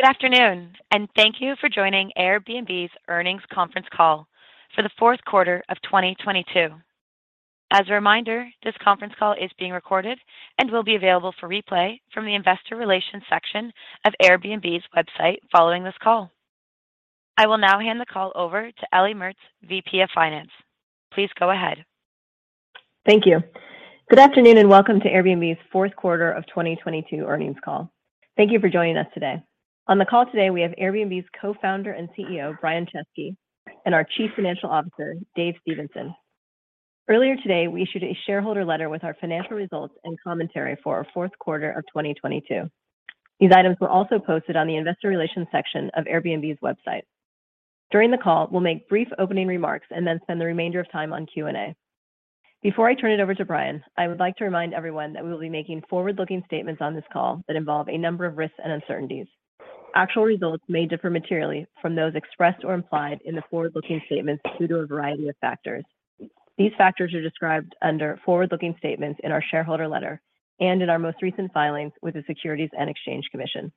Good afternoon, and thank you for joining Airbnb's earnings conference call for the fourth quarter of 2022. As a reminder, this conference call is being recorded and will be available for replay from the investor relations section of Airbnb's website following this call. I will now hand the call over to Ellie Mertz, VP of Finance. Please go ahead. Thank you. Good afternoon, and welcome to Airbnb's 4th quarter of 2022 earnings call. Thank you for joining us today. On the call today, we have Airbnb's Co-founder and CEO, Brian Chesky, and our Chief Financial Officer, Dave Stephenson. Earlier today, we issued a shareholder letter with our financial results and commentary for our 4th quarter of 2022. These items were also posted on the investor relations section of Airbnb's website. During the call, we'll make brief opening remarks and then spend the remainder of time on Q&A. Before I turn it over to Brian, I would like to remind everyone that we will be making forward-looking statements on this call that involve a number of risks and uncertainties. Actual results may differ materially from those expressed or implied in the forward-looking statements due to a variety of factors. These factors are described under forward-looking statements in our shareholder letter and in our most recent filings with the Securities and Exchange Commission.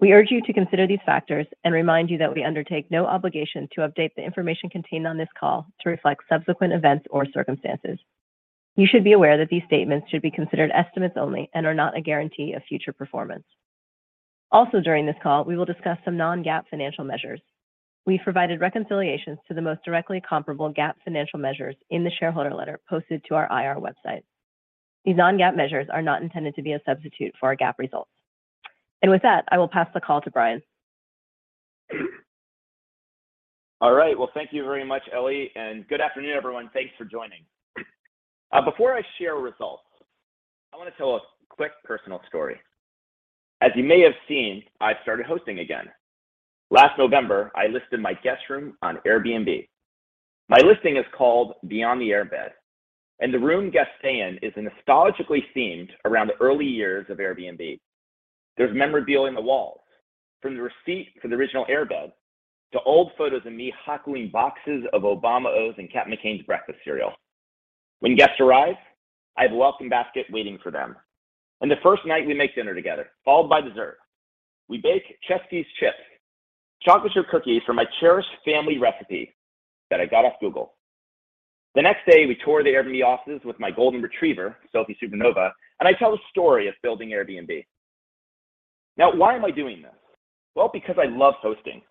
We urge you to consider these factors and remind you that we undertake no obligation to update the information contained on this call to reflect subsequent events or circumstances. You should be aware that these statements should be considered estimates only and are not a guarantee of future performance. Also during this call, we will discuss some non-GAAP financial measures. We've provided reconciliations to the most directly comparable GAAP financial measures in the shareholder letter posted to our IR website. These non-GAAP measures are not intended to be a substitute for our GAAP results. With that, I will pass the call to Brian. All right. Well, thank you very much, Ellie, and good afternoon, everyone. Thanks for joining. Before I share results, I want to tell a quick personal story. As you may have seen, I've started hosting again. Last November, I listed my guest room on Airbnb. My listing is called Beyond the Airbed, and the room guests stay in is nostalgically themed around the early years of Airbnb. There's memorabilia on the walls, from the receipt for the original Airbed to old photos of me hocking boxes of Obama O's and Cap'n McCain's breakfast cereal. When guests arrive, I have a welcome basket waiting for them. The first night, we make dinner together, followed by dessert. We bake Chesky's Chips, chocolate chip cookies from my cherished family recipe that I got off Google. The next day, we tour the Airbnb offices with my golden retriever, Sophie Supernova, and I tell the story of building Airbnb. Why am I doing this? Well, because I love hosting.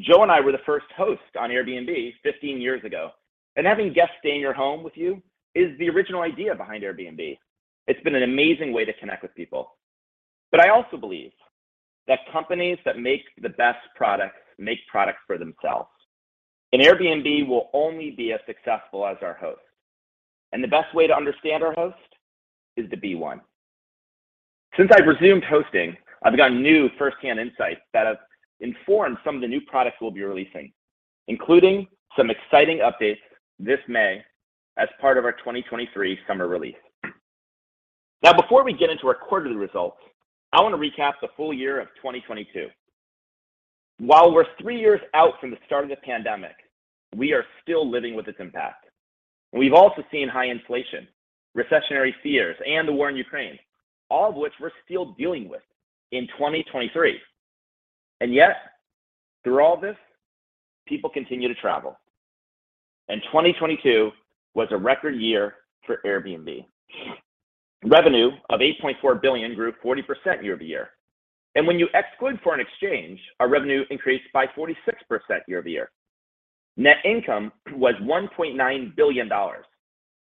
Joe and I were the first hosts on Airbnb 15 years ago, and having guests stay in your home with you is the original idea behind Airbnb. It's been an amazing way to connect with people. I also believe that companies that make the best products make products for themselves. Airbnb will only be as successful as our hosts. The best way to understand our hosts is to be one. Since I've resumed hosting, I've gotten new first-hand insights that have informed some of the new products we'll be releasing, including some exciting updates this May as part of our 2023 summer release. Now, before we get into our quarterly results, I want to recap the full year of 2022. While we're 3 years out from the start of the pandemic, we are still living with its impact. We've also seen high inflation, recessionary fears, and the war in Ukraine, all of which we're still dealing with in 2023. Yet, through all this, people continue to travel. 2022 was a record year for Airbnb. Revenue of 8.4 billion grew 40% year-over-year. When you exclude foreign exchange, our revenue increased by 46% year-over-year. Net income was $1.9 billion,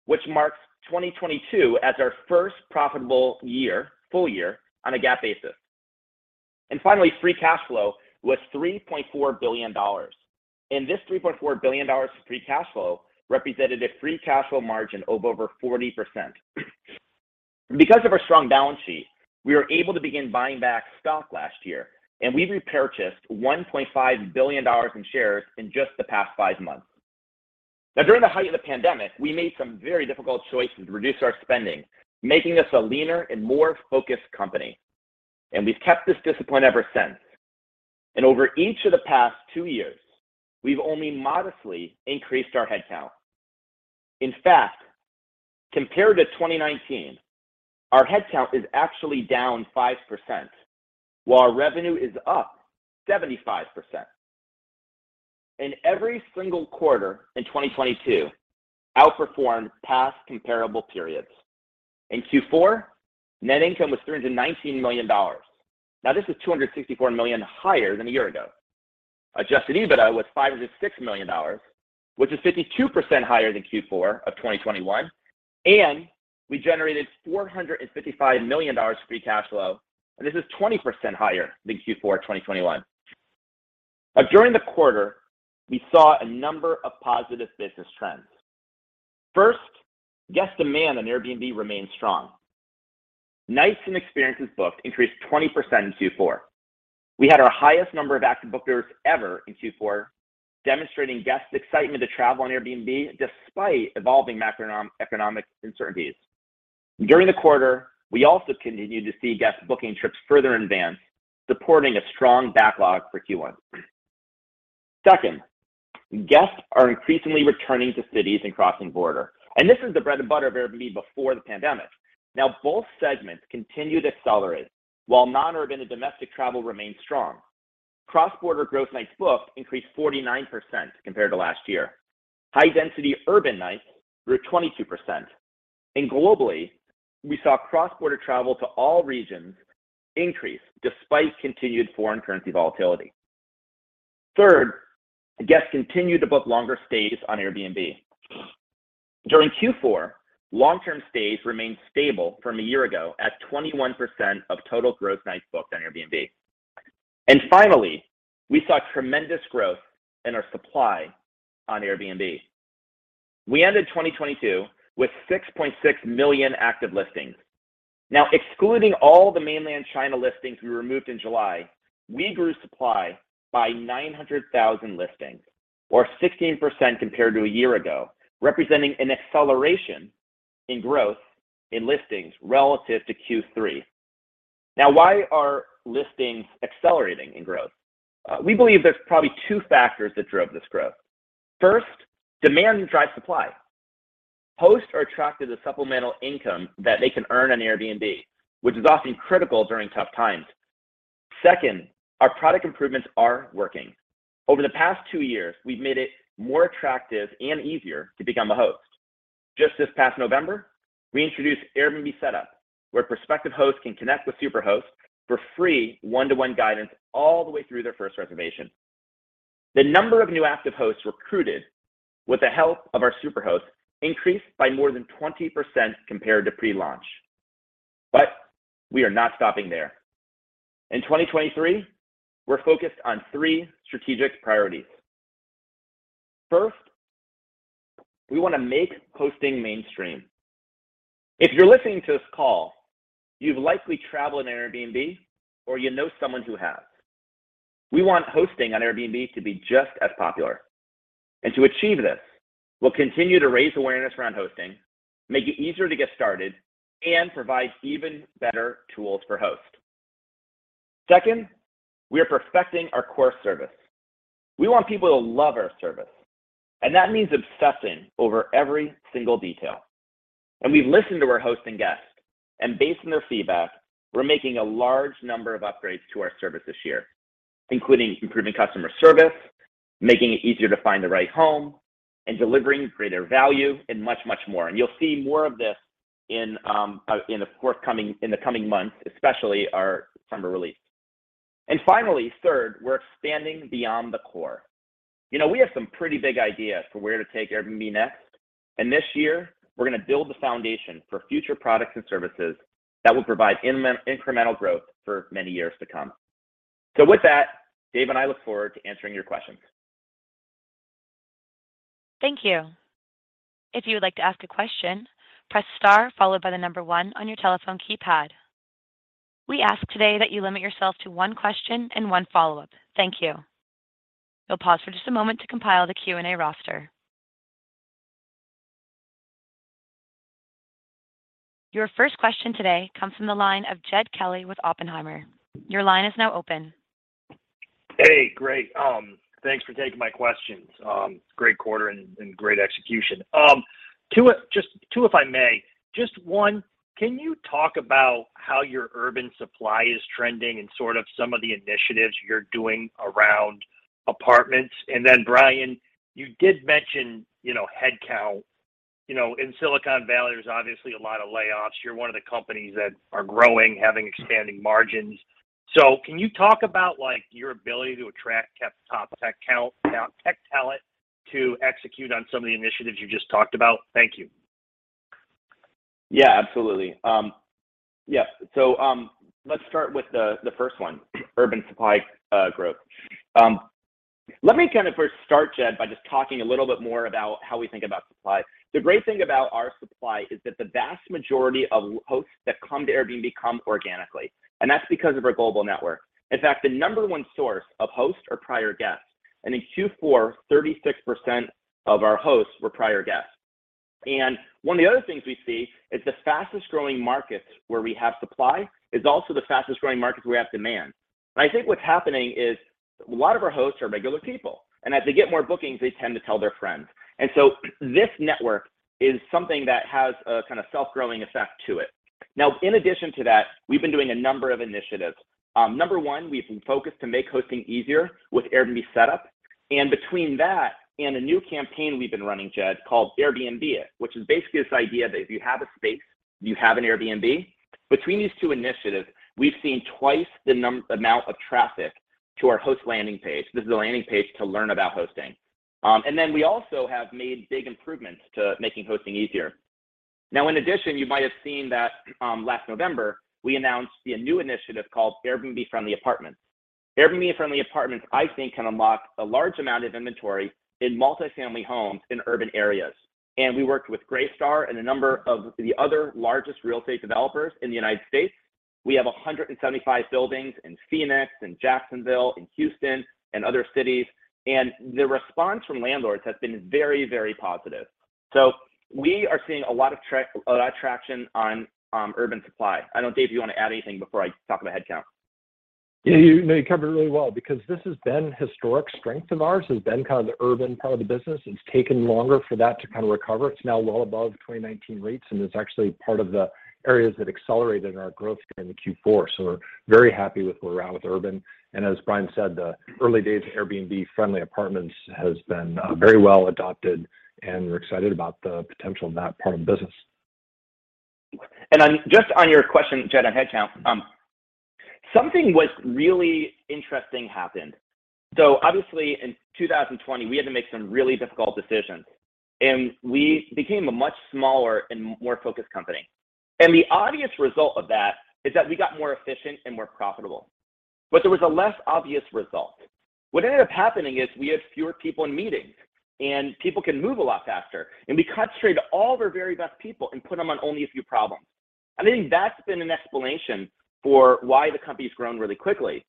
which marks 2022 as our first profitable year, full year, on a GAAP basis. Finally, free cash flow was $3.4 billion. This $3.4 billion of free cash flow represented a free cash flow margin of over 40%. Because of our strong balance sheet, we were able to begin buying back stock last year, and we've repurchased $1.5 billion in shares in just the past five months. Now, during the height of the pandemic, we made some very difficult choices to reduce our spending, making us a leaner and more focused company. We've kept this discipline ever since. Over each of the past two years, we've only modestly increased our headcount. In fact, compared to 2019, our headcount is actually down 5%, while our revenue is up 75%. In every single quarter in 2022 outperformed past comparable periods. In Q4, net income was $319 million. Now, this is 264 million higher than a year ago. Adjusted EBITDA was $506 million, which is 52% higher than Q4 of 2021. We generated $455 million of free cash flow. This is 20% higher than Q4 2021. During the quarter, we saw a number of positive business trends. First, guest demand on Airbnb remained strong. Nights and experiences booked increased 20% in Q4. We had our highest number of active bookers ever in Q4, demonstrating guests' excitement to travel on Airbnb despite evolving macroeconomic uncertainties. During the quarter, we also continued to see guests booking trips further in advance, supporting a strong backlog for Q1. Second, guests are increasingly returning to cities and crossing border. This is the bread and butter of Airbnb before the pandemic. Both segments continue to accelerate while non-urban and domestic travel remains strong. Cross-border growth nights booked increased 49% compared to last year. High-density urban nights grew 22%. Globally, we saw cross-border travel to all regions increase despite continued foreign currency volatility. Third, guests continued to book longer stays on Airbnb. During Q4, long-term stays remained stable from a year ago at 21% of total growth nights booked on Airbnb. Finally, we saw tremendous growth in our supply on Airbnb. We ended 2022 with 6.6 million active listings. Excluding all the Mainland China listings we removed in July, we grew supply by 900,000 listings, or 16% compared to a year ago, representing an acceleration in growth in listings relative to Q3. Why are listings accelerating in growth? We believe there's probably two factors that drove this growth. First, demand drives supply. Hosts are attracted to supplemental income that they can earn on Airbnb, which is often critical during tough times. Second, our product improvements are working. Over the past two years, we've made it more attractive and easier to become a host. Just this past November, we introduced Airbnb Setup, where prospective hosts can connect with Superhost for free one-to-one guidance all the way through their first reservation. The number of new active hosts recruited with the help of our Superhost increased by more than 20% compared to pre-launch. We are not stopping there. In 2023, we're focused on three strategic priorities. First, we want to make hosting mainstream. If you're listening to this call, you've likely traveled in Airbnb, or you know someone who has. We want hosting on Airbnb to be just as popular. To achieve this, we'll continue to raise awareness around hosting, make it easier to get started, and provide even better tools for hosts. Second, we are perfecting our core service. We want people to love our service, and that means obsessing over every single detail. We've listened to our hosts and guests, and based on their feedback, we're making a large number of upgrades to our service this year, including improving customer service, making it easier to find the right home, and delivering greater value and much, much more. You'll see more of this in the coming months, especially our summer release. Finally, third, we're expanding beyond the core. You know, we have some pretty big ideas for where to take Airbnb next, and this year, we're going to build the foundation for future products and services that will provide incremental growth for many years to come. With that, Dave and I look forward to answering your questions. Thank you. If you would like to ask a question, press star followed by 1 on your telephone keypad. We ask today that you limit yourself to one question and one follow-up. Thank you. We'll pause for just a moment to compile the Q&A roster. Your first question today comes from the line of Jed Kelly with Oppenheimer. Your line is now open. Hey, great. Thanks for taking my questions. Great quarter and great execution. Just two, if I may. Just one, can you talk about how your urban supply is trending and sort of some of the initiatives you're doing around apartments? Then Brian, you did mention, you know, headcount. You know, in Silicon Valley, there's obviously a lot of layoffs. You're one of the companies that are growing, having expanding margins. Can you talk about, like, your ability to attract tech talent to execute on some of the initiatives you just talked about? Thank you. Yeah, absolutely. Let's start with the first one, urban supply growth. Let me kind of first start, Jed, by just talking a little bit more about how we think about supply. The great thing about our supply is that the vast majority of hosts that come to Airbnb come organically, and that's because of our global network. In fact, the number one source of hosts are prior guests. In Q4, 36% of our hosts were prior guests. One of the other things we see is the fastest-growing markets where we have supply is also the fastest-growing markets where we have demand. I think what's happening is a lot of our hosts are regular people, and as they get more bookings, they tend to tell their friends. This network is something that has a kind of self-growing effect to it. In addition to that, we've been doing a number of initiatives. Number one, we've been focused to make hosting easier with Airbnb Setup. Between that and a new campaign we've been running, Jed, called Airbnb It, which is basically this idea that if you have a space, you have an Airbnb. Between these two initiatives, we've seen twice the amount of traffic to our host landing page. This is the landing page to learn about hosting. And then we also have made big improvements to making hosting easier. In addition, you might have seen that, last November, we announced a new initiative called Airbnb Friendly Apartments. Airbnb Friendly Apartments, I think, can unlock a large amount of inventory in multi-family homes in urban areas. We worked with Greystar and a number of the other largest real estate developers in the United States. We have 175 buildings in Phoenix and Jacksonville and Houston and other cities. The response from landlords has been very positive. We are seeing a lot of traction on urban supply. I don't know, Dave, you want to add anything before I talk about headcount? Yeah, you covered it really well because this has been historic strength of ours. It's been kind of the urban part of the business. It's taken longer for that to kind of recover. It's now well above 2019 rates, and it's actually part of the areas that accelerated our growth during the Q4. We're very happy with where we're at with urban. As Brian said, the early days of Airbnb-friendly apartments has been very well adopted, and we're excited about the potential in that part of the business. Just on your question, Jenna, headcount, something was really interesting happened. Obviously, in 2020, we had to make some really difficult decisions, and we became a much smaller and more focused company. The obvious result of that is that we got more efficient and more profitable. There was a less obvious result. What ended up happening is we had fewer people in meetings, and people can move a lot faster, and we concentrated all of our very best people and put them on only a few problems. I think that's been an explanation for why the company's grown really quickly.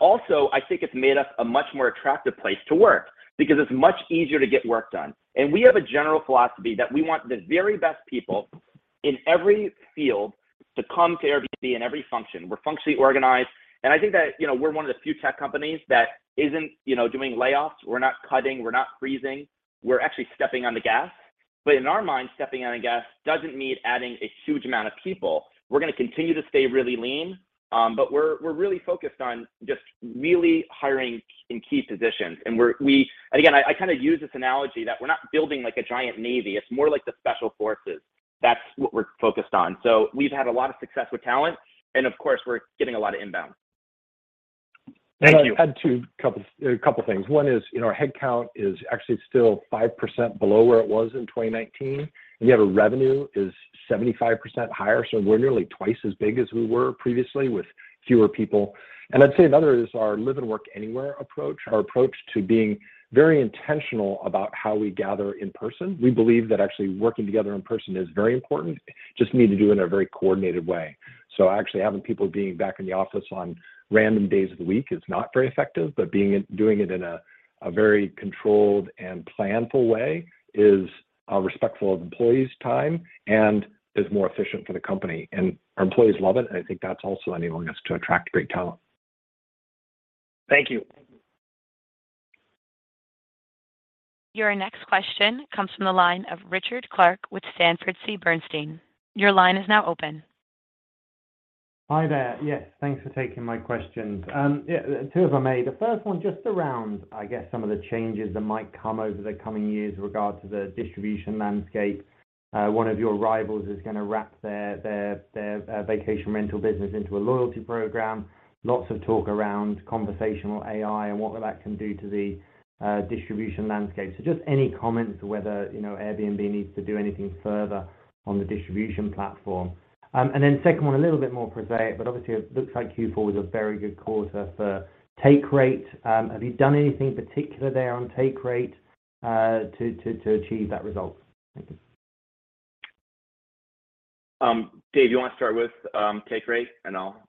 Also, I think it's made us a much more attractive place to work because it's much easier to get work done. We have a general philosophy that we want the very best people in every field to come to Airbnb in every function. We're functionally organized, and I think that, you know, we're one of the few tech companies that isn't, you know, doing layoffs. We're not cutting. We're not freezing. We're actually stepping on the gas. In our minds, stepping on the gas doesn't mean adding a huge amount of people. We're gonna continue to stay really lean, but we're really focused on just really hiring in key positions. Again, I kind of use this analogy that we're not building like a giant navy. It's more like the special forces. That's what we're focused on. We've had a lot of success with talent and of course, we're getting a lot of inbound. Thank you. To add to a couple things. One is, you know, our headcount is actually still 5% below where it was in 2019, and yet our revenue is 75% higher, so we're nearly twice as big as we were previously with fewer people. I'd say another is our live and work anywhere approach, our approach to being very intentional about how we gather in person. We believe that actually working together in person is very important. Just need to do in a very coordinated way. Actually having people being back in the office on random days of the week is not very effective. Doing it in a very controlled and planful way is respectful of employees' time and is more efficient for the company. Our employees love it, and I think that's also enabling us to attract great talent. Thank you. Your next question comes from the line of Richard Clarke with Sanford C. Bernstein. Your line is now open. Hi there. Yes, thanks for taking my questions. Yeah, two if I may. The first one just around, I guess, some of the changes that might come over the coming years regard to the distribution landscape. One of your rivals is gonna wrap their vacation rental business into a loyalty program. Lots of talk around conversational AI and what that can do to the distribution landscape. Just any comments whether, you know, Airbnb needs to do anything further on the distribution platform? Then second one, a little bit more prosaic, but obviously it looks like Q4 was a very good quarter for take rate. Have you done anything particular there on take rate to achieve that result? Thank you. Dave, you want to start with, take rate, and I'll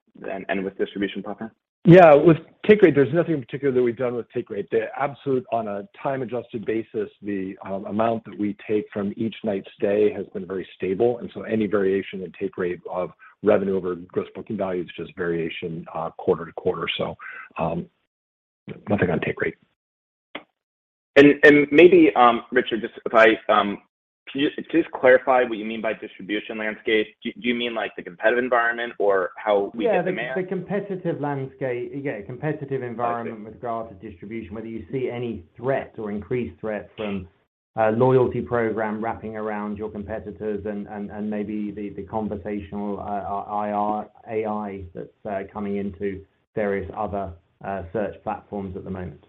end with distribution platform? Yeah. With take rate, there's nothing in particular that we've done with take rate. The absolute on a time-adjusted basis, the amount that we take from each night's stay has been very stable, Any variation in take rate of revenue over gross booking value is just variation, quarter to quarter. Nothing on take rate. Maybe, Richard, can you just clarify what you mean by distribution landscape? Do you mean, like, the competitive environment or how we get demand? Yeah, the competitive landscape. Yeah, competitive environment with regard to distribution, whether you see any threat or increased threat from loyalty program wrapping around your competitors and maybe the conversational AI that's coming into various other search platforms at the moment.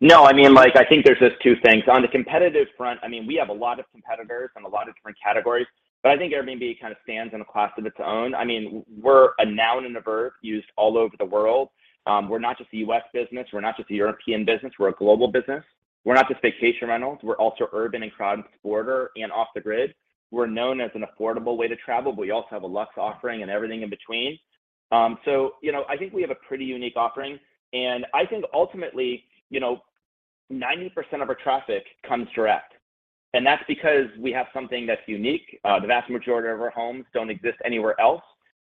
No, I mean, like, I think there's just two things. On the competitive front, I mean, we have a lot of competitors from a lot of different categories, but I think Airbnb kind of stands in a class of its own. I mean, we're a noun and a verb used all over the world. We're not just a US business. We're not just a European business. We're a global business. We're not just vacation rentals. We're also urban and cross-border and off the grid. We're known as an affordable way to travel, but we also have a luxe offering and everything in between. You know, I think we have a pretty unique offering, and I think ultimately, you know, 90% of our traffic comes direct. That's because we have something that's unique. The vast majority of our homes don't exist anywhere else.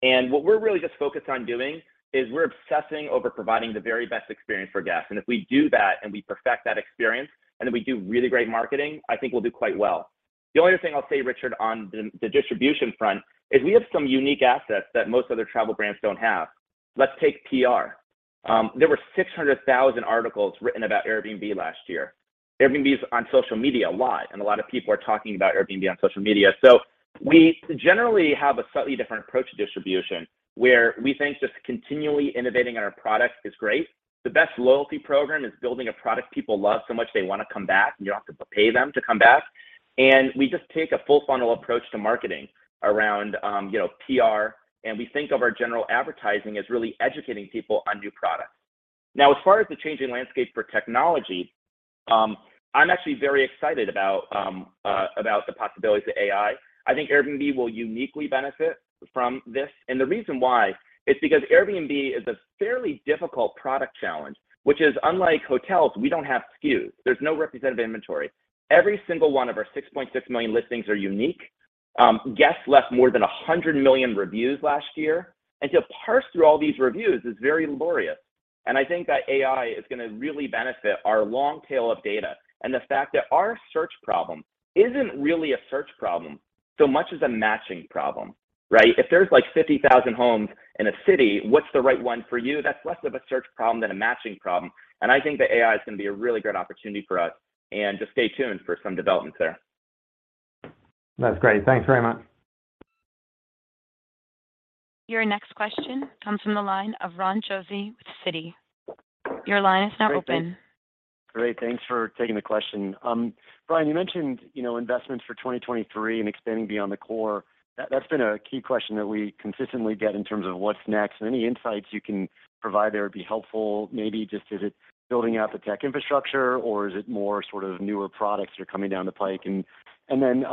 What we're really just focused on doing is we're obsessing over providing the very best experience for guests. If we do that, and we perfect that experience, and then we do really great marketing, I think we'll do quite well. The only other thing I'll say, Richard, on the distribution front is we have some unique assets that most other travel brands don't have. Let's take PR. There were 600,000 articles written about Airbnb last year. Airbnb is on social media a lot, and a lot of people are talking about Airbnb on social media. We generally have a slightly different approach to distribution, where we think just continually innovating on our product is great. The best loyalty program is building a product people love so much they wanna come back, and you don't have to pay them to come back. We just take a full funnel approach to marketing around, you know, PR, and we think of our general advertising as really educating people on new products. As far as the changing landscape for technology, I'm actually very excited about the possibilities of AI. I think Airbnb will uniquely benefit from this, the reason why is because Airbnb is a fairly difficult product challenge, which is unlike hotels, we don't have SKUs. There's no representative inventory. Every single one of our 6.6 million listings are unique. Guests left more than 100 million reviews last year, and to parse through all these reviews is very laborious. I think that AI is gonna really benefit our long tail of data, and the fact that our search problem isn't really a search problem so much as a matching problem, right? If there's, like, 50,000 homes in a city, what's the right one for you? That's less of a search problem than a matching problem, I think that AI is gonna be a really great opportunity for us, just stay tuned for some developments there. That's great. Thanks very much. Your next question comes from the line of Ron Josey with Citi. Your line is now open. Great, thanks. Great, thanks for taking the question. Brian, you mentioned, you know, investments for 2023 and extending beyond the core. That's been a key question that we consistently get in terms of what's next, and any insights you can provide there would be helpful. Maybe just is it building out the tech infrastructure, or is it more sort of newer products that are coming down the pike? Then,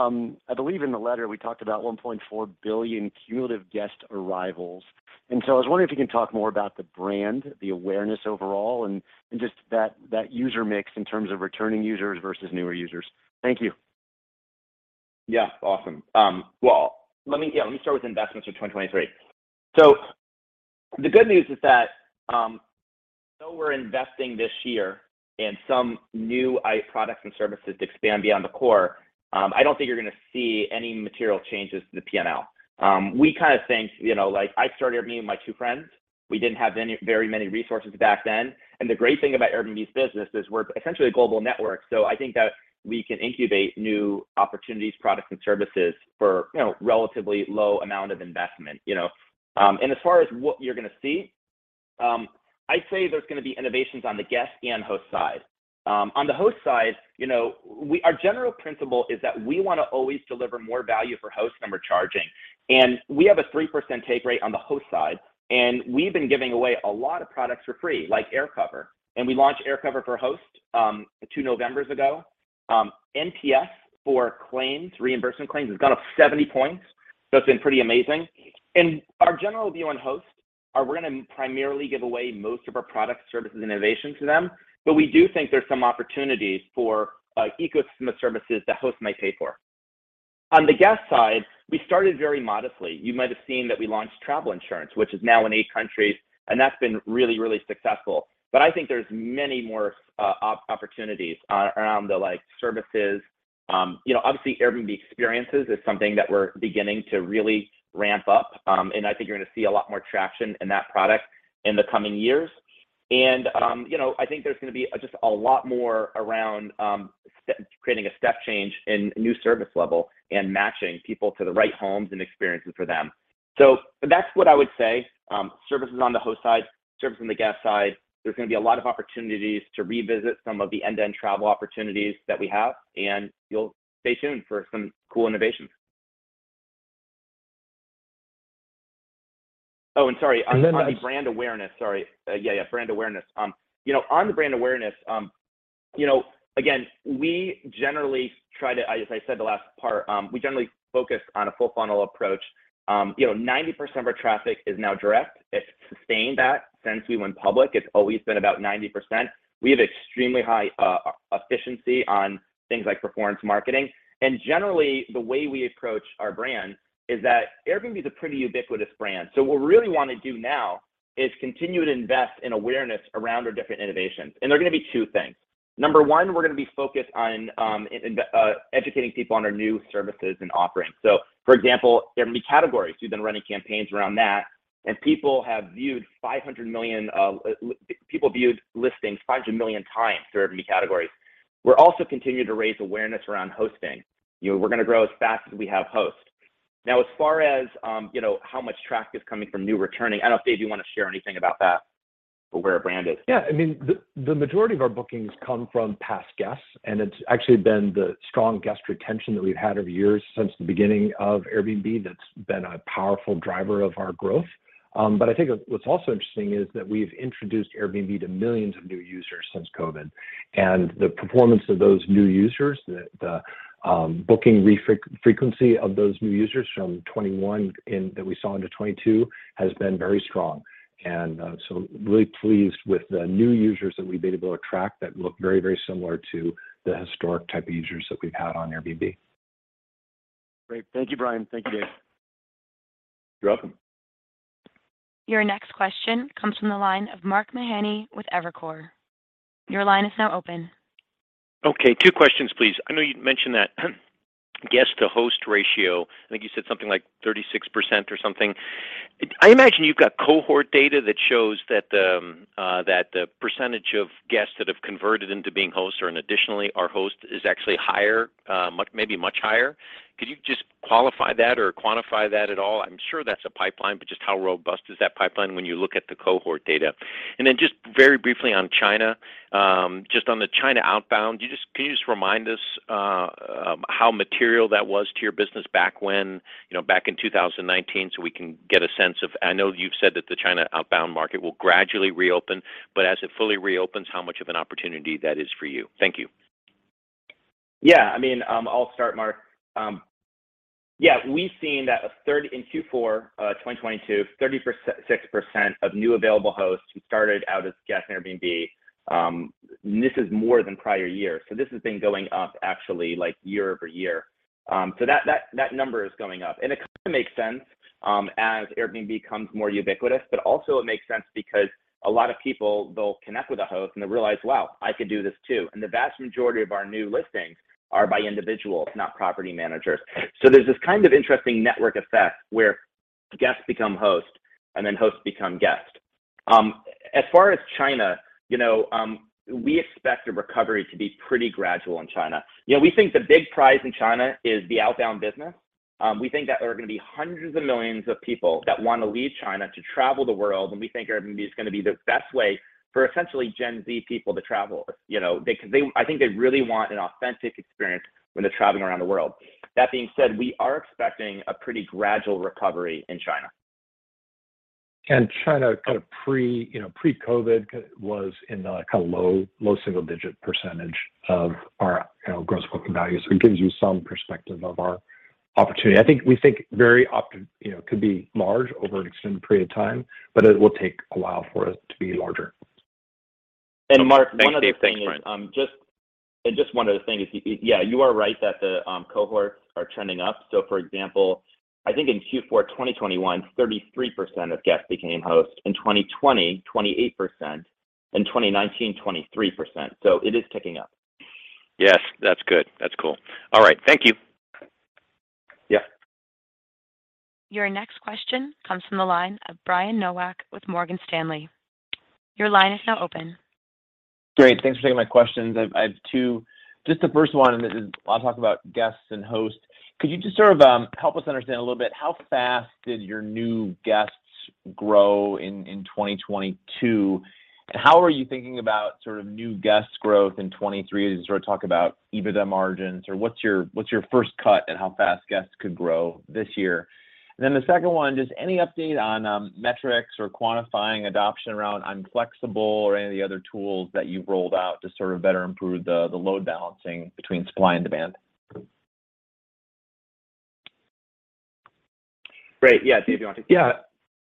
I believe in the letter we talked about 1.4 billion cumulative guest arrivals. So I was wondering if you can talk more about the brand, the awareness overall, and just that user mix in terms of returning users versus newer users. Thank you. Yeah. Awesome. Well, let me start with investments for 2023. The good news is that, though we're investing this year in some new products and services to expand beyond the core, I don't think you're gonna see any material changes to the PNL. We kind of think, you know, like, I started Airbnb with my two friends. We didn't have very many resources back then, the great thing about Airbnb's business is we're essentially a global network. I think that we can incubate new opportunities, products, and services for, you know, relatively low amount of investment, you know. As far as what you're gonna see, I'd say there's gonna be innovations on the guest and host side. On the host side, you know, Our general principle is that we wanna always deliver more value for hosts than we're charging. We have a 3% take rate on the host side, and we've been giving away a lot of products for free, like AirCover. We launched AirCover for hosts two Novembers ago. NPS for claims, reimbursement claims, has gone up 70 points, so it's been pretty amazing. Our general view on hosts are we're gonna primarily give away most of our products, services, and innovation to them, but we do think there's some opportunities for, like, ecosystem of services that hosts might pay for. On the guest side, we started very modestly. You might have seen that we launched travel insurance, which is now in eight countries, and that's been really, really successful. I think there's many more opportunities around the, like, services. You know, obviously Airbnb Experiences is something that we're beginning to really ramp up, and I think you're gonna see a lot more traction in that product in the coming years. You know, I think there's gonna be just a lot more around creating a step change in new service level and matching people to the right homes and experiences for them. That's what I would say. Services on the host side, services on the guest side. There's gonna be a lot of opportunities to revisit some of the end-to-end travel opportunities that we have, and you'll stay tuned for some cool innovations. Sorry. Then. On the brand awareness. Sorry. Yeah, brand awareness. you know, on the brand awareness, you know, again, we generally try to, as I said the last part, we generally focus on a full funnel approach. you know, 90% of our traffic is now direct. It's sustained that since we went public. It's always been about 90%. We have extremely high efficiency on things like performance marketing. Generally, the way we approach our brand is that Airbnb is a pretty ubiquitous brand. What we really wanna do now is continue to invest in awareness around our different innovations, and they're gonna be two things. Number one, we're gonna be focused on educating people on our new services and offerings. For example, Airbnb Categories, we've been running campaigns around that, and people have viewed 500 million, people viewed listings 500 million times through Airbnb Categories. We're also continuing to raise awareness around hosting. You know, we're gonna grow as fast as we have hosts. As far as, you know, how much traffic is coming from new returning, I don't know if Dave you wanna share anything about that, or where our brand is? Yeah. I mean, the majority of our bookings come from past guests, and it's actually been the strong guest retention that we've had over years since the beginning of Airbnb that's been a powerful driver of our growth. I think what's also interesting is that we've introduced Airbnb to millions of new users since COVID. The performance of those new users, the booking frequency of those new users from 2021 that we saw into 2022 has been very strong. Really pleased with the new users that we've been able to track that look very, very similar to the historic type of users that we've had on Airbnb. Great. Thank you, Brian. Thank you, Dave. You're welcome. Your next question comes from the line of Mark Mahaney with Evercore. Your line is now open. Okay, two questions please. I know you'd mentioned that guest to host ratio, I think you said something like 36% or something. I imagine you've got cohort data that shows that the that the percentage of guests that have converted into being hosts or an additionally are hosts is actually higher, maybe much higher. Could you just qualify that or quantify that at all? I'm sure that's a pipeline, just how robust is that pipeline when you look at the cohort data? Just very briefly on China, just on the China outbound, can you just remind us how material that was to your business back when, you know, back in 2019 so we can get a sense of... I know you've said that the China outbound market will gradually reopen, but as it fully reopens, how much of an opportunity that is for you? Thank you. Yeah. I mean, I'll start, Mark. Yeah. We've seen that in Q4 2022, 36% of new available hosts who started out as guests on Airbnb, this is more than prior years. This has been going up actually, like, year-over-year. So that number is going up. It kind of makes sense, as Airbnb becomes more ubiquitous, but also it makes sense because a lot of people, they'll connect with a host and they realize, "Wow, I could do this too." The vast majority of our new listings are by individuals, not property managers. There's this kind of interesting network effect where guests become hosts, and then hosts become guests. As far as China, you know, we expect a recovery to be pretty gradual in China. You know, we think the big prize in China is the outbound business. We think that there are gonna be hundreds of millions of people that wanna leave China to travel the world, and we think Airbnb is gonna be the best way for essentially Gen Z people to travel. You know, I think they really want an authentic experience when they're traveling around the world. That being said, we are expecting a pretty gradual recovery in China. China kind of pre, you know, pre-COVID was in the kind of low single digit % of our, you know, gross booking value. It gives you some perspective of our opportunity. I think we think very, you know, could be large over an extended period of time, but it will take a while for it to be larger. Mark, one other thing is, just one other thing is, yeah, you are right that the cohorts are trending up. For example, I think in Q4 of 2021, 33% of guests became hosts. In 2020, 28%. In 2019, 23%. It is ticking up. Yes. That's good. That's cool. All right. Thank you. Yeah. Your next question comes from the line of Brian Nowak with Morgan Stanley. Your line is now open. Great. Thanks for taking my questions. I have two. Just the first one, this is I'll talk about guests and hosts. Could you just sort of help us understand a little bit how fast did your new guests grow in 2022, how are you thinking about sort of new guests growth in 2023 as you sort of talk about EBITDA margins? What's your, what's your first cut in how fast guests could grow this year? The second one, just any update on metrics or quantifying adoption around I'm Flexible or any of the other tools that you've rolled out to sort of better improve the load balancing between supply and demand? Great. Yeah. Dave, do you want to take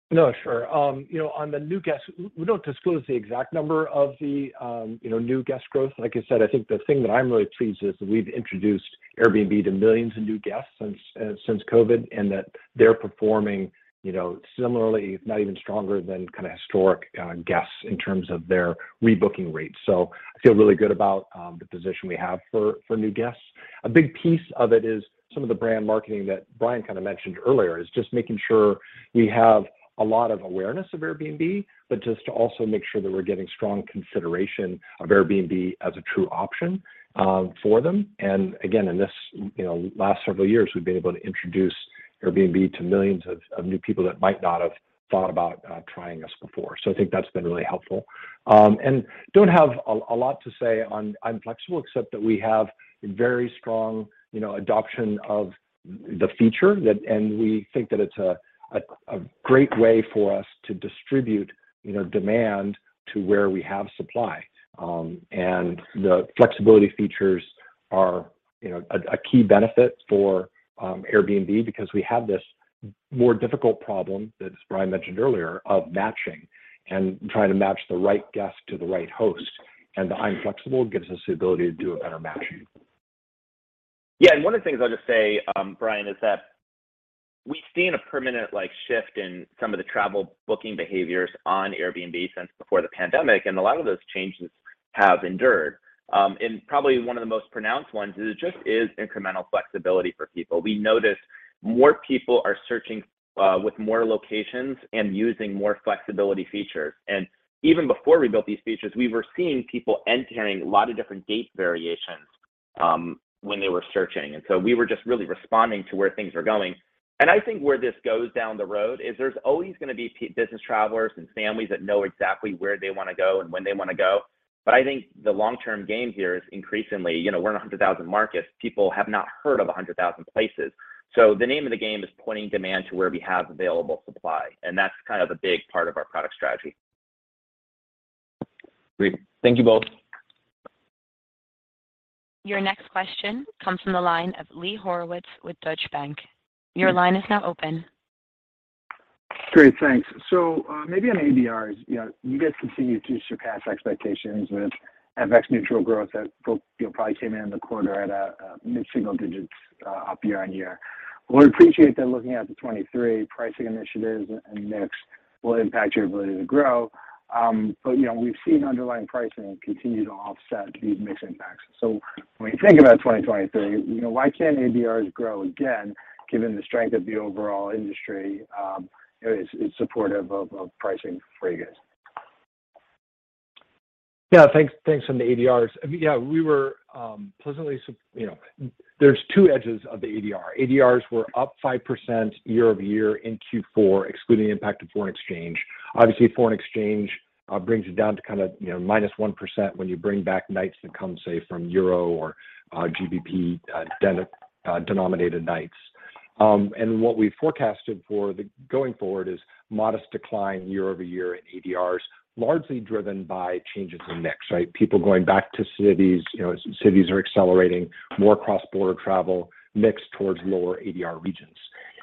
that? Yeah. No, sure. You know, on the new guests, we don't disclose the exact number of the, you know, new guest growth. Like I said, I think the thing that I'm really pleased is that we've introduced Airbnb to millions of new guests since COVID, and that they're performing, you know, similarly, if not even stronger than kind of historic guests in terms of their rebooking rates. I feel really good about the position we have for new guests. A big piece of it is some of the brand marketing that Brian kind of mentioned earlier, is just making sure we have a lot of awareness of Airbnb, but just to also make sure that we're getting strong consideration of Airbnb as a true option for them. Again, in this, you know, last several years, we've been able to introduce Airbnb to millions of new people that might not have thought about trying us before. I think that's been really helpful. Don't have a lot to say on I'm Flexible except that we have very strong, you know, adoption of the feature that and we think that it's a great way for us to distribute, you know, demand to where we have supply. The flexibility features are, you know, a key benefit for Airbnb because we have this more difficult problem that Brian mentioned earlier of matching and trying to match the right guest to the right host. The I'm Flexible gives us the ability to do a better matching. One of the things I'll just say, Brian, is that we've seen a permanent, like, shift in some of the travel booking behaviors on Airbnb since before the pandemic, and a lot of those changes have endured. Probably one of the most pronounced ones is it just is incremental flexibility for people. We noticed more people are searching with more locations and using more flexibility features. Even before we built these features, we were seeing people entering a lot of different date variations when they were searching. We were just really responding to where things were going. I think where this goes down the road is there's always gonna be business travelers and families that know exactly where they wanna go and when they wanna go. I think the long-term game here is increasingly, you know, we're in 100,000 markets. People have not heard of 100,000 places. The name of the game is pointing demand to where we have available supply, and that's kind of a big part of our product strategy. Great. Thank you both. Your next question comes from the line of Lee Horowitz with Deutsche Bank. Your line is now open. Great. Thanks. Maybe on ADRs. You know, you guys continue to surpass expectations with FX neutral growth that probably came in the quarter at a mid-single digits up year-over-year. We appreciate that looking out to 2023 pricing initiatives and mix will impact your ability to grow. You know, we've seen underlying pricing continue to offset these mix impacts. When you think about 2023, you know, why can't ADRs grow again, given the strength of the overall industry, you know, is supportive of pricing for you guys? Thanks, thanks on the ADRs. Yeah. We were, you know. There's two edges of the ADR. ADRs were up 5% year-over-year in Q4, excluding the impact of foreign exchange. Obviously, foreign exchange brings it down to kinda, you know, minus 1% when you bring back nights that come, say, from EUR or GBP denominated nights. What we forecasted for the going forward is modest decline year-over-year in ADRs, largely driven by changes in mix, right? People going back to cities, you know, as cities are accelerating, more cross-border travel, mix towards lower ADR regions.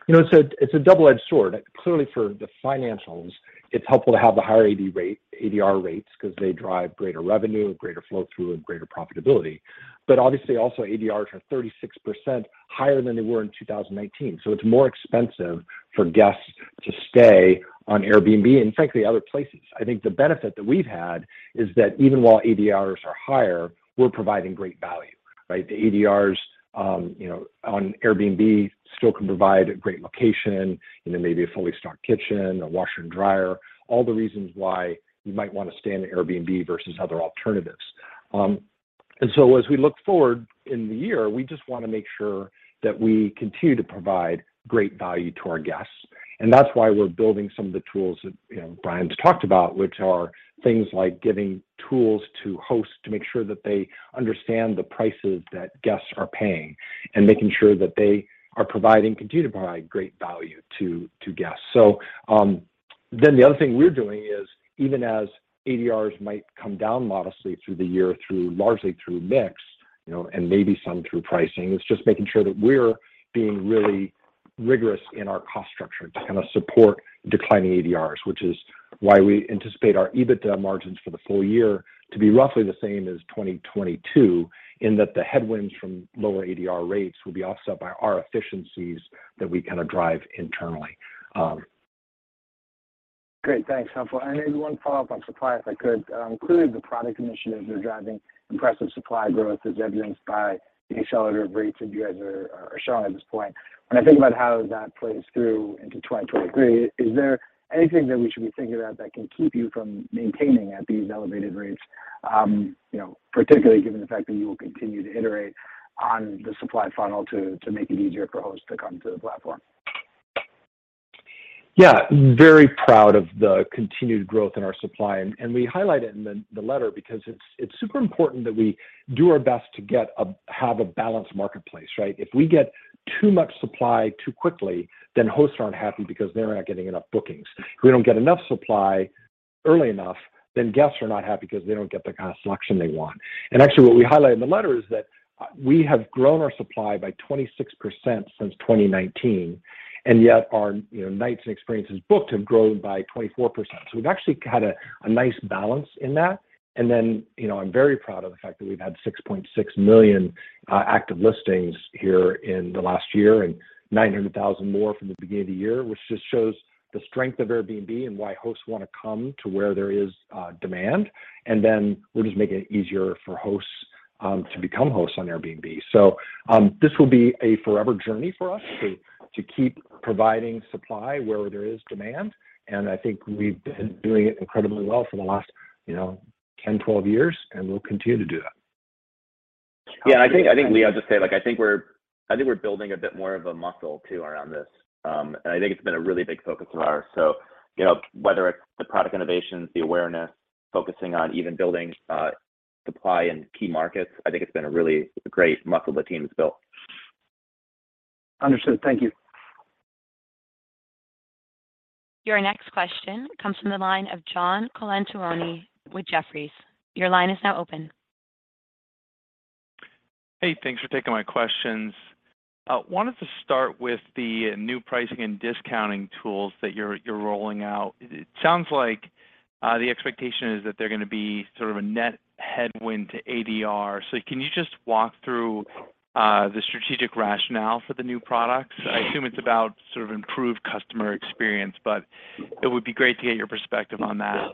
You know, it's a, it's a double-edged sword. Clearly for the financials, it's helpful to have the higher ADR rates because they drive greater revenue, greater flow through, and greater profitability. Obviously also ADRs are 36% higher than they were in 2019, so it's more expensive for guests to stay on Airbnb and frankly, other places. I think the benefit that we've had is that even while ADRs are higher, we're providing great value, right? The ADRs, you know, on Airbnb still can provide a great location, you know, maybe a fully stocked kitchen, a washer and dryer, all the reasons why you might want to stay in an Airbnb versus other alternatives. As we look forward in the year, we just wanna make sure that we continue to provide great value to our guests. That's why we're building some of the tools that, you know, Brian's talked about, which are things like giving tools to hosts to make sure that they understand the prices that guests are paying and making sure that they continue to provide great value to guests. The other thing we're doing is even as ADRs might come down modestly through the year largely through mix, you know, and maybe some through pricing, is just making sure that we're being really rigorous in our cost structure to kind of support declining ADRs, which is why we anticipate our EBITDA margins for the full year to be roughly the same as 2022, in that the headwinds from lower ADR rates will be offset by our efficiencies that we kind of drive internally. Great. Thanks, uncertain. Maybe 1 follow-up on supply, if I could. Clearly, the product initiatives are driving impressive supply growth, as evidenced by the accelerated rates that you guys are showing at this point. When I think about how that plays through into 2023, is there anything that we should be thinking about that can keep you from maintaining at these elevated rates, you know, particularly given the fact that you will continue to iterate on the supply funnel to make it easier for hosts to come to the platform? Yeah. Very proud of the continued growth in our supply. We highlight it in the letter because it's super important that we do our best to have a balanced marketplace, right? If we get too much supply too quickly, then hosts aren't happy because they're not getting enough bookings. If we don't get enough supply early enough, then guests are not happy because they don't get the kind of selection they want. Actually what we highlight in the letter is that we have grown our supply by 26% since 2019, and yet our, you know, nights and experiences booked have grown by 24%. We've actually had a nice balance in that. you know, I'm very proud of the fact that we've had 6.6 million active listings here in the last year and 900,000 more from the beginning of the year, which just shows the strength of Airbnb and why hosts want to come to where there is demand. We're just making it easier for hosts to become hosts on Airbnb. This will be a forever journey for us to keep providing supply where there is demand, and I think we've been doing it incredibly well for the last, you know, 10, 12 years, and we'll continue to do that. Yeah, I think, Lee, I'll just say, like, I think we're building a bit more of a muscle, too, around this. I think it's been a really big focus of ours. You know, whether it's the product innovations, the awareness, focusing on even building, supply in key markets, I think it's been a really great muscle the team has built. Understood. Thank you. Your next question comes from the line of John Colantuoni with Jefferies. Your line is now open. Thanks for taking my questions. wanted to start with the new pricing and discounting tools that you're rolling out. It sounds like the expectation is that they're gonna be sort of a net headwind to ADR. Can you just walk through the strategic rationale for the new products? I assume it's about sort of improved customer experience, but it would be great to get your perspective on that.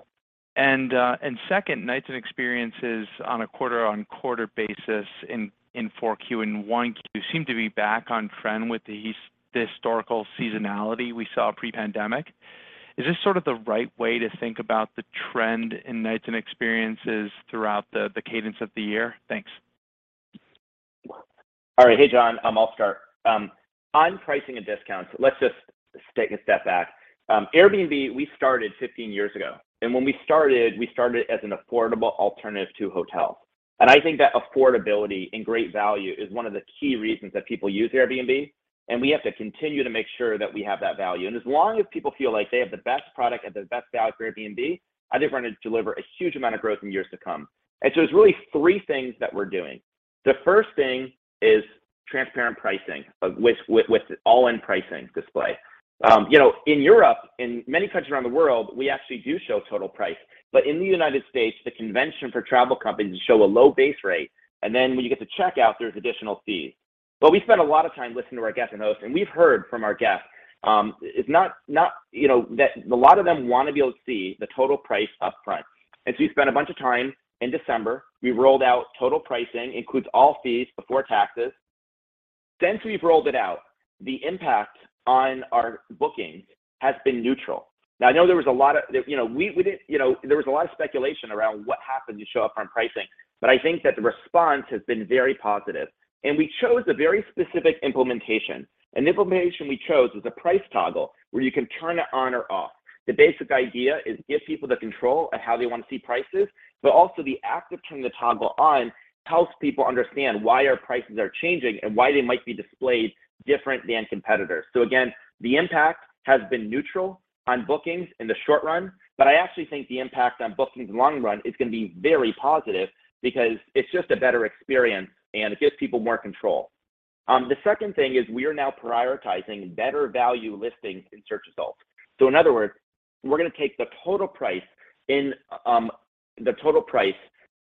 Second, nights and experiences on a quarter-on-quarter basis in 4Q and 1Q seem to be back on trend with the historical seasonality we saw pre-pandemic. Is this sort of the right way to think about the trend in nights and experiences throughout the cadence of the year? Thanks. All right. Hey, John, I'll start. On pricing and discounts, let's just take a step back. Airbnb, we started 15 years ago. When we started, we started as an affordable alternative to hotels. I think that affordability and great value is one of the key reasons that people use Airbnb, and we have to continue to make sure that we have that value. As long as people feel like they have the best product at the best value for Airbnb, I think we're gonna deliver a huge amount of growth in years to come. There's really three things that we're doing. The first thing is transparent pricing with all-in pricing display. You know, in Europe, in many countries around the world, we actually do show total price. In the United States, the convention for travel companies is show a low base rate, and then when you get to checkout, there's additional fees. We spend a lot of time listening to our guests and hosts, and we've heard from our guests, it's not, you know, that a lot of them want to be able to see the total price up front. We spent a bunch of time in December. We rolled out total pricing, includes all fees before taxes. Since we've rolled it out, the impact on our bookings has been neutral. I know there was a lot of. You know, we, you know, there was a lot of speculation around what happens you show up-front pricing, but I think that the response has been very positive. We chose a very specific implementation. An implementation we chose was a price toggle, where you can turn it on or off. The basic idea is give people the control at how they want to see prices, but also the act of turning the toggle on helps people understand why our prices are changing and why they might be displayed different than competitors. Again, the impact has been neutral on bookings in the short run, but I actually think the impact on bookings in the long run is gonna be very positive because it's just a better experience, and it gives people more control. The second thing is we are now prioritizing better value listings in search results. In other words, we're gonna take the total price in, the total price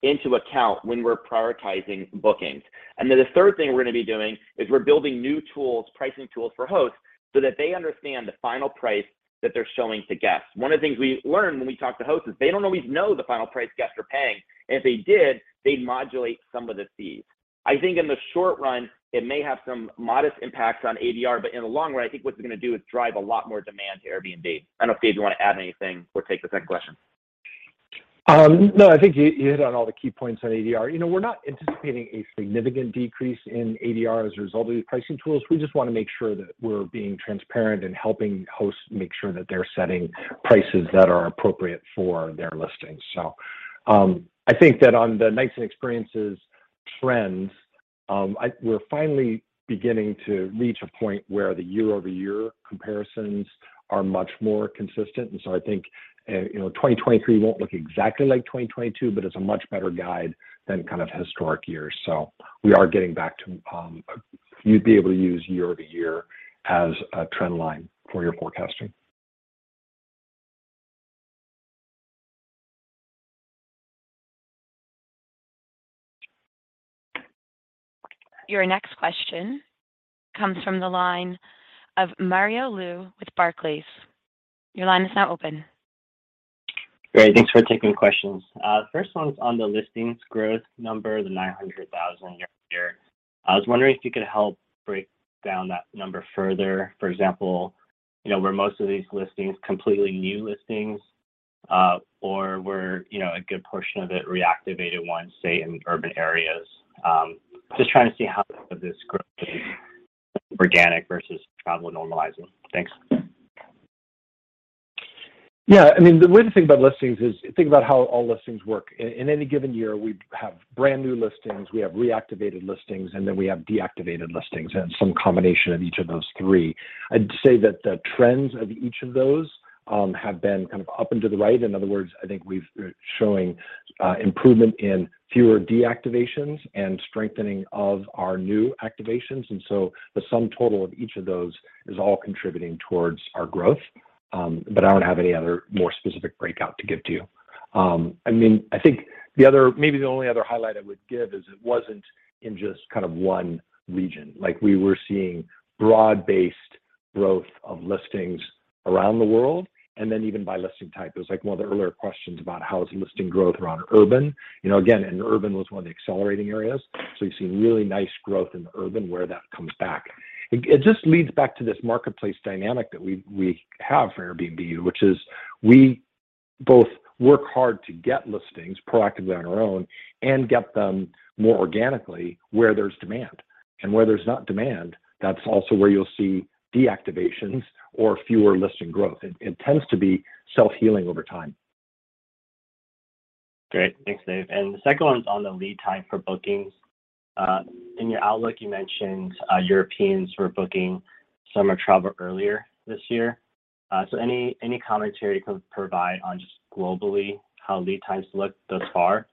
into account when we're prioritizing bookings. The third thing we're gonna be doing is we're building new tools, pricing tools for hosts so that they understand the final price that they're showing to guests. One of the things we learned when we talked to hosts is they don't always know the final price guests are paying, and if they did, they'd modulate some of the fees. I think in the short run, it may have some modest impacts on ADR, but in the long run, I think what it's gonna do is drive a lot more demand to Airbnb. I don't know if Dave, you wanna add anything or take the second question. No, I think you hit on all the key points on ADR. You know, we're not anticipating a significant decrease in ADR as a result of these pricing tools. We just wanna make sure that we're being transparent and helping hosts make sure that they're setting prices that are appropriate for their listings. I think that on the nights and experiences trends, we're finally beginning to reach a point where the year-over-year comparisons are much more consistent. I think, you know, 2023 won't look exactly like 2022, but it's a much better guide than kind of historic years. We are getting back to, you'd be able to use year-over-year as a trend line for your forecasting. Your next question comes from the line of Mario Lu with Barclays. Your line is now open. Great. Thanks for taking questions. The first one's on the listings growth number, the 900,000 year-over-year. I was wondering if you could help break down that number further. For example, you know, were most of these listings completely new listings, or were, you know, a good portion of it reactivated ones, say in urban areas? Just trying to see how this growth is organic versus travel normalizing. Thanks. Yeah. I mean, the way to think about listings is think about how all listings work. In any given year, we have brand new listings, we have reactivated listings, and then we have deactivated listings, and some combination of each of those three. I'd say that the trends of each of those have been kind of up and to the right. In other words, I think we're showing improvement in fewer deactivations and strengthening of our new activations. The sum total of each of those is all contributing towards our growth. I don't have any other more specific breakout to give to you. I mean, I think the other maybe the only other highlight I would give is it wasn't in just kind of one region. Like, we were seeing broad-based growth of listings around the world, even by listing type. It was like one of the earlier questions about how is the listing growth around urban. You know, again, urban was one of the accelerating areas, you're seeing really nice growth in urban where that comes back. It just leads back to this marketplace dynamic that we have for Airbnb, which is we both work hard to get listings proactively on our own and get them more organically where there's demand. Where there's not demand, that's also where you'll see deactivations or fewer listing growth. It tends to be self-healing over time. Great. Thanks, Dave. The second one's on the lead time for bookings. In your outlook, you mentioned, Europeans were booking summer travel earlier this year. Any, any commentary you can provide on just globally how lead times look thus far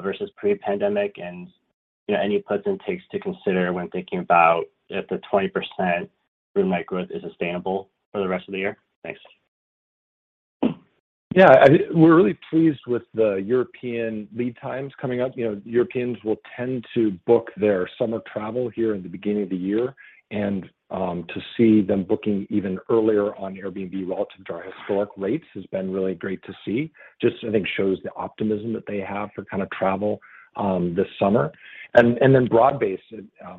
versus pre-pandemic, and, you know, any puts and takes to consider when thinking about if the 20% room night growth is sustainable for the rest of the year? Thanks. Yeah. We're really pleased with the European lead times coming up. You know, Europeans will tend to book their summer travel here in the beginning of the year, to see them booking even earlier on Airbnb relative to our historic rates has been really great to see. Just, I think, shows the optimism that they have for kind of travel this summer. Then broad-based,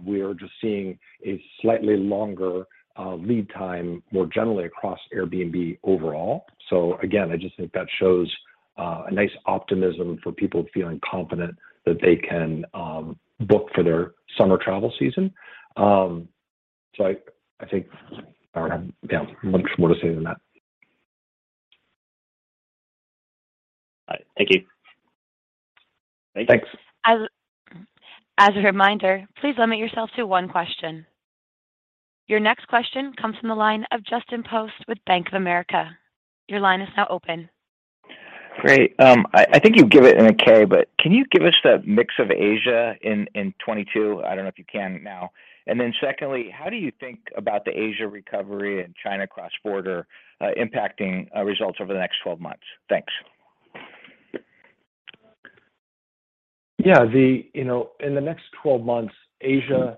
we are just seeing a slightly longer lead time more generally across Airbnb overall. Again, I just think that shows a nice optimism for people feeling confident that they can book for their summer travel season. I think I don't have much more to say than that. All right. Thank you. Thanks. As a reminder, please limit yourself to one question. Your next question comes from the line of Justin Post with Bank of America. Your line is now open. Great. I think you give it in a K, but can you give us the mix of Asia in 2022? I don't know if you can now. Secondly, how do you think about the Asia recovery and China cross-border impacting results over the next 12 months? Thanks. You know, in the next 12 months, Asia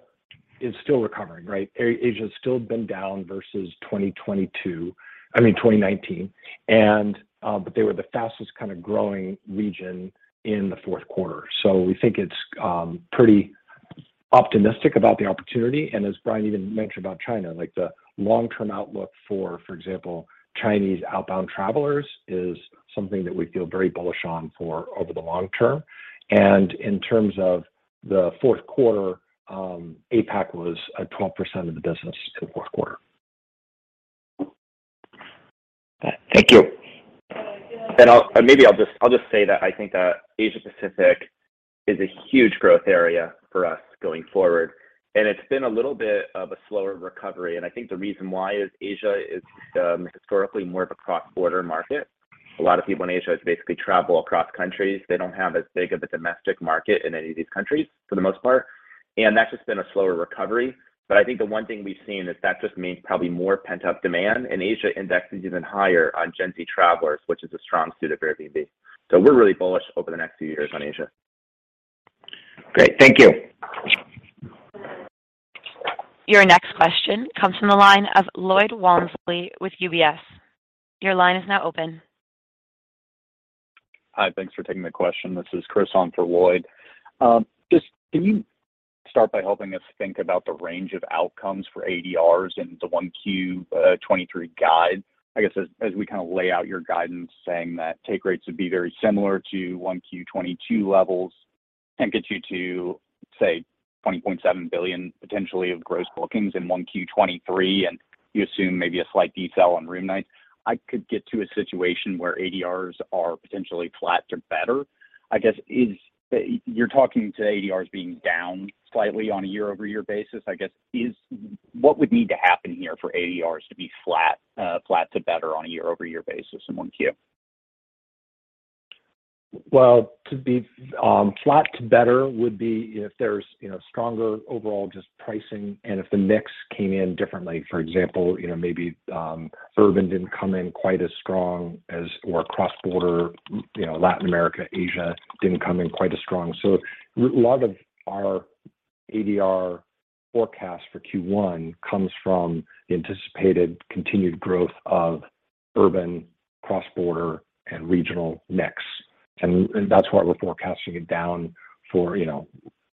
is still recovering, right? Asia's still been down versus 2022. I mean, 2019. But they were the fastest kind of growing region in the fourth quarter. We think it's pretty optimistic about the opportunity. As Brian even mentioned about China, like the long-term outlook for example, Chinese outbound travelers is something that we feel very bullish on for over the long term. In terms of the fourth quarter, APAC was at 12% of the business in the fourth quarter. Thank you. Maybe I'll just say that I think that Asia Pacific is a huge growth area for us going forward, and it's been a little bit of a slower recovery. I think the reason why is Asia is historically more of a cross-border market. A lot of people in Asia basically travel across countries. They don't have as big of a domestic market in any of these countries for the most part, and that's just been a slower recovery. I think the one thing we've seen is that just means probably more pent-up demand, and Asia indexes even higher on Gen Z travelers, which is a strong suit of Airbnb. We're really bullish over the next few years on Asia. Great. Thank you. Your next question comes from the line of Lloyd Walmsley with UBS. Your line is now open. Hi. Thanks for taking the question. This is Chris on for Lloyd. Just can you start by helping us think about the range of outcomes for ADRs in the 1Q 23 guide? I guess as we kind of lay out your guidance saying that take rates would be very similar to 1Q 22 levels can get you to, say, 20.7 billion potentially of gross bookings in 1Q 23, and you assume maybe a slight detail on room nights. I could get to a situation where ADRs are potentially flat to better. I guess you're talking to ADRs being down slightly on a year-over-year basis. I guess what would need to happen here for ADRs to be flat to better on a year-over-year basis in 1Q? To be, flat to better would be if there's, you know, stronger overall just pricing and if the mix came in differently. For example, you know, maybe, urban didn't come in quite as strong as or cross-border, you know, Latin America, Asia didn't come in quite as strong. A lot of our ADR forecast for Q1 comes from the anticipated continued growth of urban cross-border and regional mix. That's why we're forecasting it down for, you know,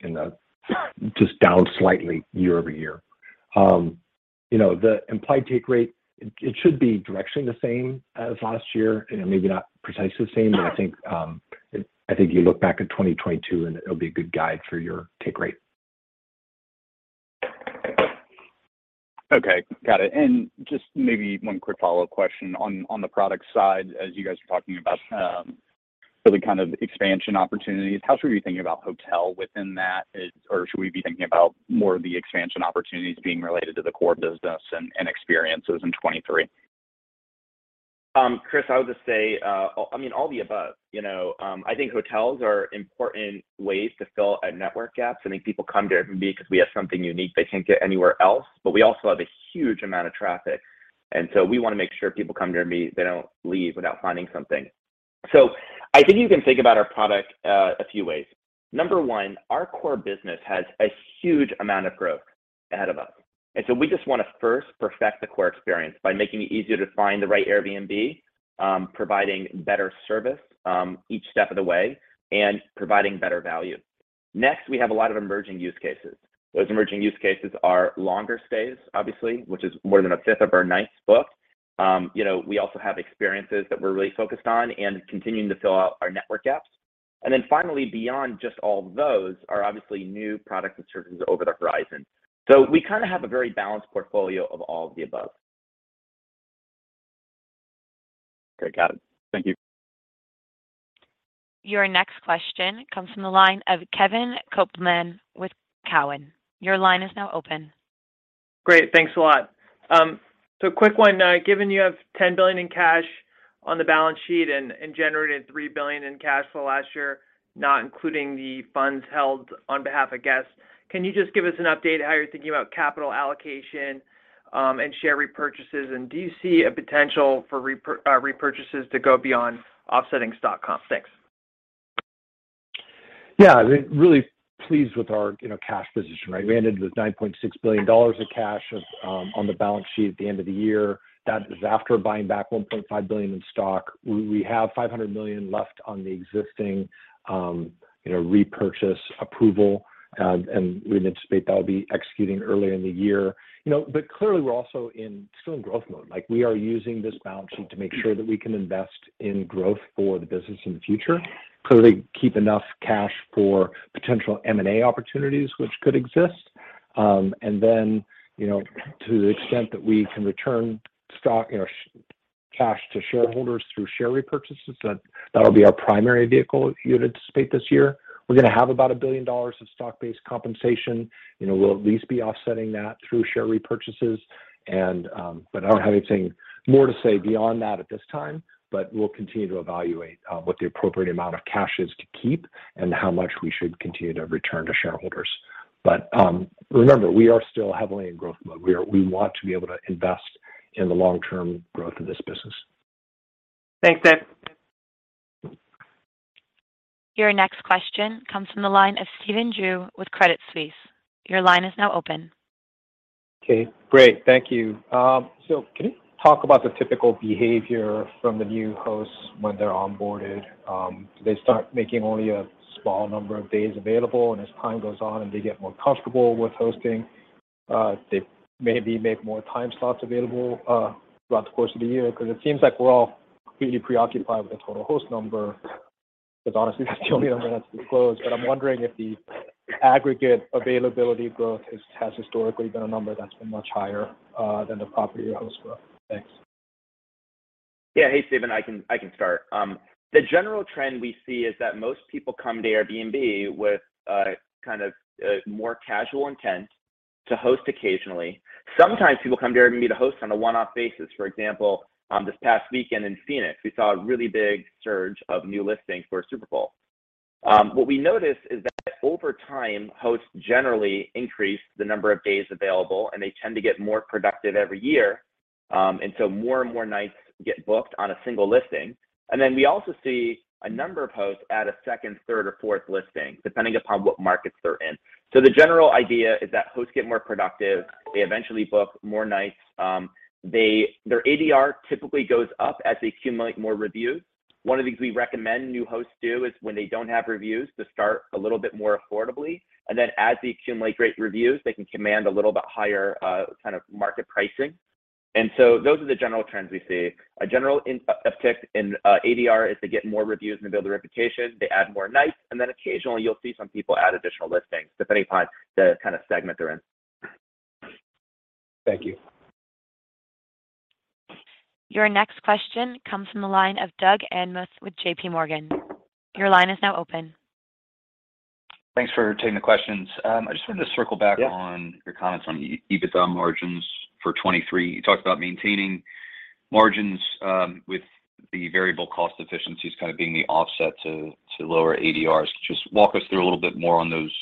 in the just down slightly year-over-year. You know, the implied take rate, it should be directionally the same as last year, you know, maybe not precisely the same. I think you look back at 2022, and it'll be a good guide for your take rate. Okay. Got it. Just maybe one quick follow-up question on the product side as you guys are talking about, really kind of expansion opportunities. How should we be thinking about hotel within that or should we be thinking about more of the expansion opportunities being related to the core business and experiences in 23? Chris, I would just say, I mean, all the above. You know, I think hotels are important ways to fill a network gap. I think people come to Airbnb because we have something unique they can't get anywhere else, but we also have a huge amount of traffic, and so we wanna make sure people come to Airbnb, they don't leave without finding something. I think you can think about our product, a few ways. Number one, our core business has a huge amount of growth ahead of us. We just wanna first perfect the core experience by making it easier to find the right Airbnb, providing better service, each step of the way, and providing better value. We have a lot of emerging use cases. Those emerging use cases are longer stays, obviously, which is more than a fifth of our nights booked. You know, we also have experiences that we're really focused on and continuing to fill out our network gaps. Finally, beyond just all those are obviously new products and services over the horizon. We kind of have a very balanced portfolio of all of the above. Great. Got it. Thank you. Your next question comes from the line of Kevin Kopelman with Cowen. Your line is now open. Great. Thanks a lot. A quick one. Given you have10 billion in cash on the balance sheet and generated $3 billion in cash flow last year, not including the funds held on behalf of guests, can you just give us an update how you're thinking about capital allocation and share repurchases? Do you see a potential for repurchases to go beyond offsetting stock comp? Thanks. I mean, really pleased with our, you know, cash position, right? We ended with $9.6 billion of cash on the balance sheet at the end of the year. That is after buying back 1.5 billion in stock. We have 500 million left on the existing repurchase approval. We anticipate that'll be executing early in the year. Clearly, we're also still in growth mode. Like, we are using this balance sheet to make sure that we can invest in growth for the business in the future. Clearly keep enough cash for potential M&A opportunities which could exist. To the extent that we can return stock, cash to shareholders through share repurchases, that'll be our primary vehicle unit to state this year. We're gonna have about $1 billion of stock-based compensation. You know, we'll at least be offsetting that through share repurchases and I don't have anything more to say beyond that at this time. We'll continue to evaluate what the appropriate amount of cash is to keep and how much we should continue to return to shareholders. Remember, we are still heavily in growth mode. We want to be able to invest in the long-term growth of this business. Thanks, Dave. Your next question comes from the line of Stephen Ju with Credit Suisse. Your line is now open. Okay. Great. Thank you. Can you talk about the typical behavior from the new hosts when they're onboarded? Do they start making only a small number of days available, and as time goes on and they get more comfortable with hosting, they maybe make more time slots available throughout the course of the year? It seems like we're all completely preoccupied with the total host number because honestly that's the only number that's disclosed. I'm wondering if the aggregate availability growth has historically been a number that's been much higher than the property or host growth. Thanks. Yeah. Hey, Stephen. I can start. The general trend we see is that most people come to Airbnb with a kind of a more casual intent to host occasionally. Sometimes people come to Airbnb to host on a one off basis. For example, this past weekend in Phoenix, we saw a really big surge of new listings for Super Bowl. What we noticed is over time, hosts generally increase the number of days available, and they tend to get more productive every year. More and more nights get booked on a single listing. We also see a number of hosts add a second, third, or fourth listing, depending upon what markets they're in. The general idea is that hosts get more productive. They eventually book more nights. Their ADR typically goes up as they accumulate more reviews. One of the things we recommend new hosts do is when they don't have reviews to start a little bit more affordably, and then as they accumulate great reviews, they can command a little bit higher, kind of market pricing. Those are the general trends we see. A general uptick in ADR is they get more reviews and they build a reputation, they add more nights, and then occasionally you'll see some people add additional listings, depending upon the kinda segment they're in. Thank you. Your next question comes from the line of Doug Anmuth with J.P. Morgan. Your line is now open. Thanks for taking the questions. I just wanted to circle back- Yeah. On your comments on EBITDA margins for 2023. You talked about maintaining margins with the variable cost efficiencies kind of being the offset to lower ADRs. Just walk us through a little bit more on those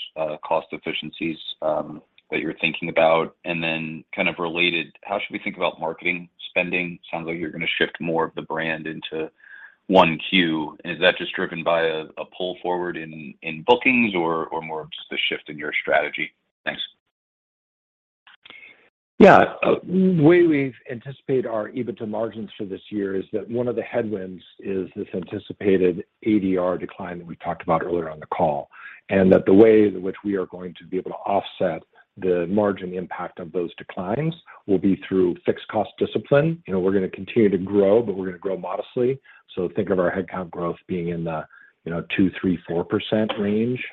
cost efficiencies that you're thinking about. Kind of related, how should we think about marketing spending? Sounds like you're gonna shift more of the brand into Q1. Is that just driven by a pull forward in bookings or more just a shift in your strategy? Thanks. Yeah. The way we've anticipated our EBITDA margins for this year is that one of the headwinds is this anticipated ADR decline that we talked about earlier on the call. The way in which we are going to be able to offset the margin impact of those declines will be through fixed cost discipline. You know, we're gonna continue to grow, but we're gonna grow modestly. Think of our headcount growth being in the, you know, 2%, 3%, 4% range.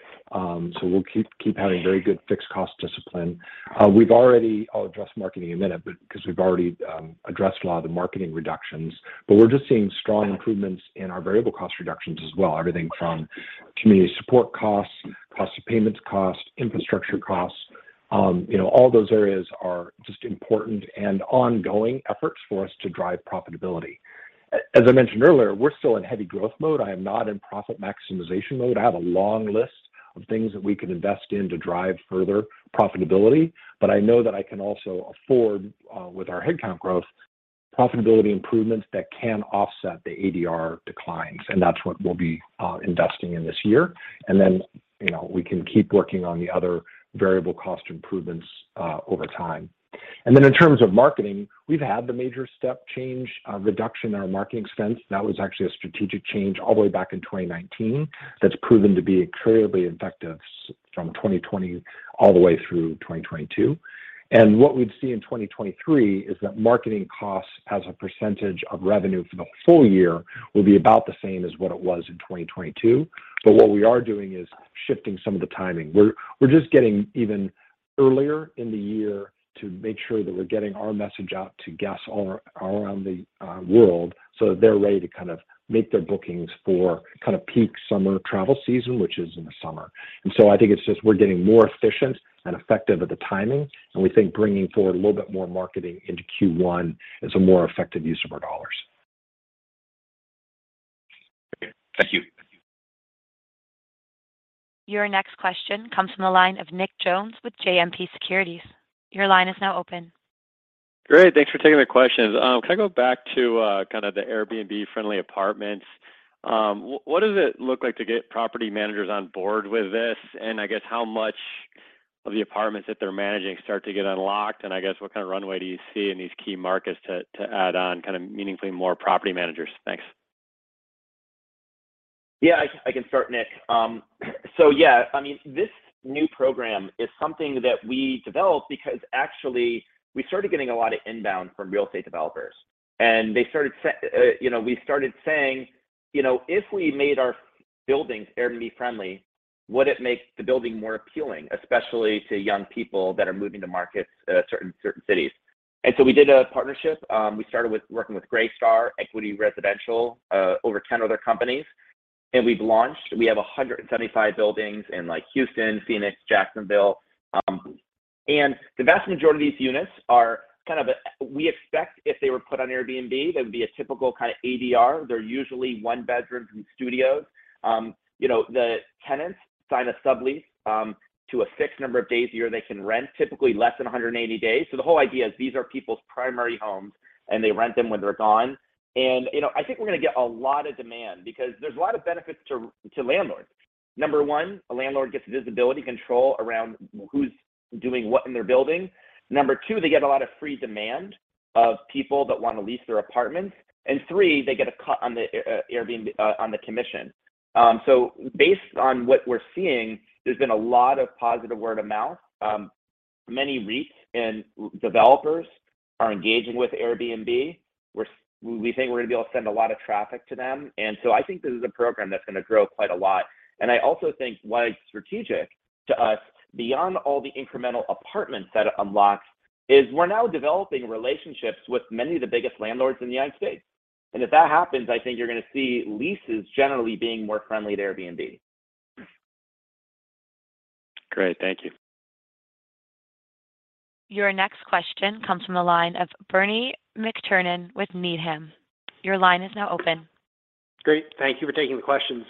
We'll keep having very good fixed cost discipline. I'll address marketing in a minute because we've already addressed a lot of the marketing reductions. We're just seeing strong improvements in our variable cost reductions as well, everything from community support costs, cost of payments, infrastructure costs. You know, all those areas are just important and ongoing efforts for us to drive profitability. As I mentioned earlier, we're still in heavy growth mode. I am not in profit maximization mode. I have a long list of things that we can invest in to drive further profitability, but I know that I can also afford with our headcount growth, profitability improvements that can offset the ADR declines, and that's what we'll be investing in this year. You know, we can keep working on the other variable cost improvements over time. In terms of marketing, we've had the major step change reduction in our marketing spends. That was actually a strategic change all the way back in 2019 that's proven to be incredibly effective from 2020 all the way through 2022. What we'd see in 2023 is that marketing costs as a percentage of revenue for the full year will be about the same as what it was in 2022. What we are doing is shifting some of the timing. We're just getting even earlier in the year to make sure that we're getting our message out to guests all around the world so that they're ready to kinda make their bookings for kinda peak summer travel season, which is in the summer. I think it's just we're getting more efficient and effective at the timing, and we think bringing forward a little bit more marketing into Q1 is a more effective use of our dollars. Thank you. Your next question comes from the line of Nick Jones with JMP Securities. Your line is now open. Great. Thanks for taking the questions. Can I go back to kinda the Airbnb-friendly apartments? What does it look like to get property managers on board with this? How much of the apartments that they're managing start to get unlocked? What kind of runway do you see in these key markets to add on kinda meaningfully more property managers? Thanks. Yeah, I can start, Nick. Yeah, I mean, this new program is something that we developed because actually we started getting a lot of inbound from real estate developers. They started saying, you know, we started saying, you know, "If we made our buildings Airbnb-friendly, would it make the building more appealing, especially to young people that are moving to markets, certain cities?" We did a partnership. We started with working with Greystar, Equity Residential, over 10 other companies. We've launched. We have 175 buildings in like Houston, Phoenix, Jacksonville. The vast majority of these units are kind of We expect if they were put on Airbnb, they would be a typical kinda ADR. They're usually one bedrooms and studios. you know, the tenants sign a sublease to a fixed number of days a year they can rent, typically less than 180 days. The whole idea is these are people's primary homes, and they rent them when they're gone. you know, I think we're gonna get a lot of demand because there's a lot of benefits to landlords. Number one, a landlord gets visibility control around who's doing what in their building. Number two, they get a lot of free demand of people that wanna lease their apartments. Three, they get a cut on the Airbnb on the commission. Based on what we're seeing, there's been a lot of positive word of mouth. many REITs and developers are engaging with Airbnb. We think we're gonna be able to send a lot of traffic to them. I think this is a program that's gonna grow quite a lot. I also think why it's strategic to us, beyond all the incremental apartments that it unlocks, is we're now developing relationships with many of the biggest landlords in the United States. If that happens, I think you're gonna see leases generally being more friendly to Airbnb. Great. Thank you. Your next question comes from the line of Bernie McTernan with Needham. Your line is now open. Great. Thank you for taking the questions.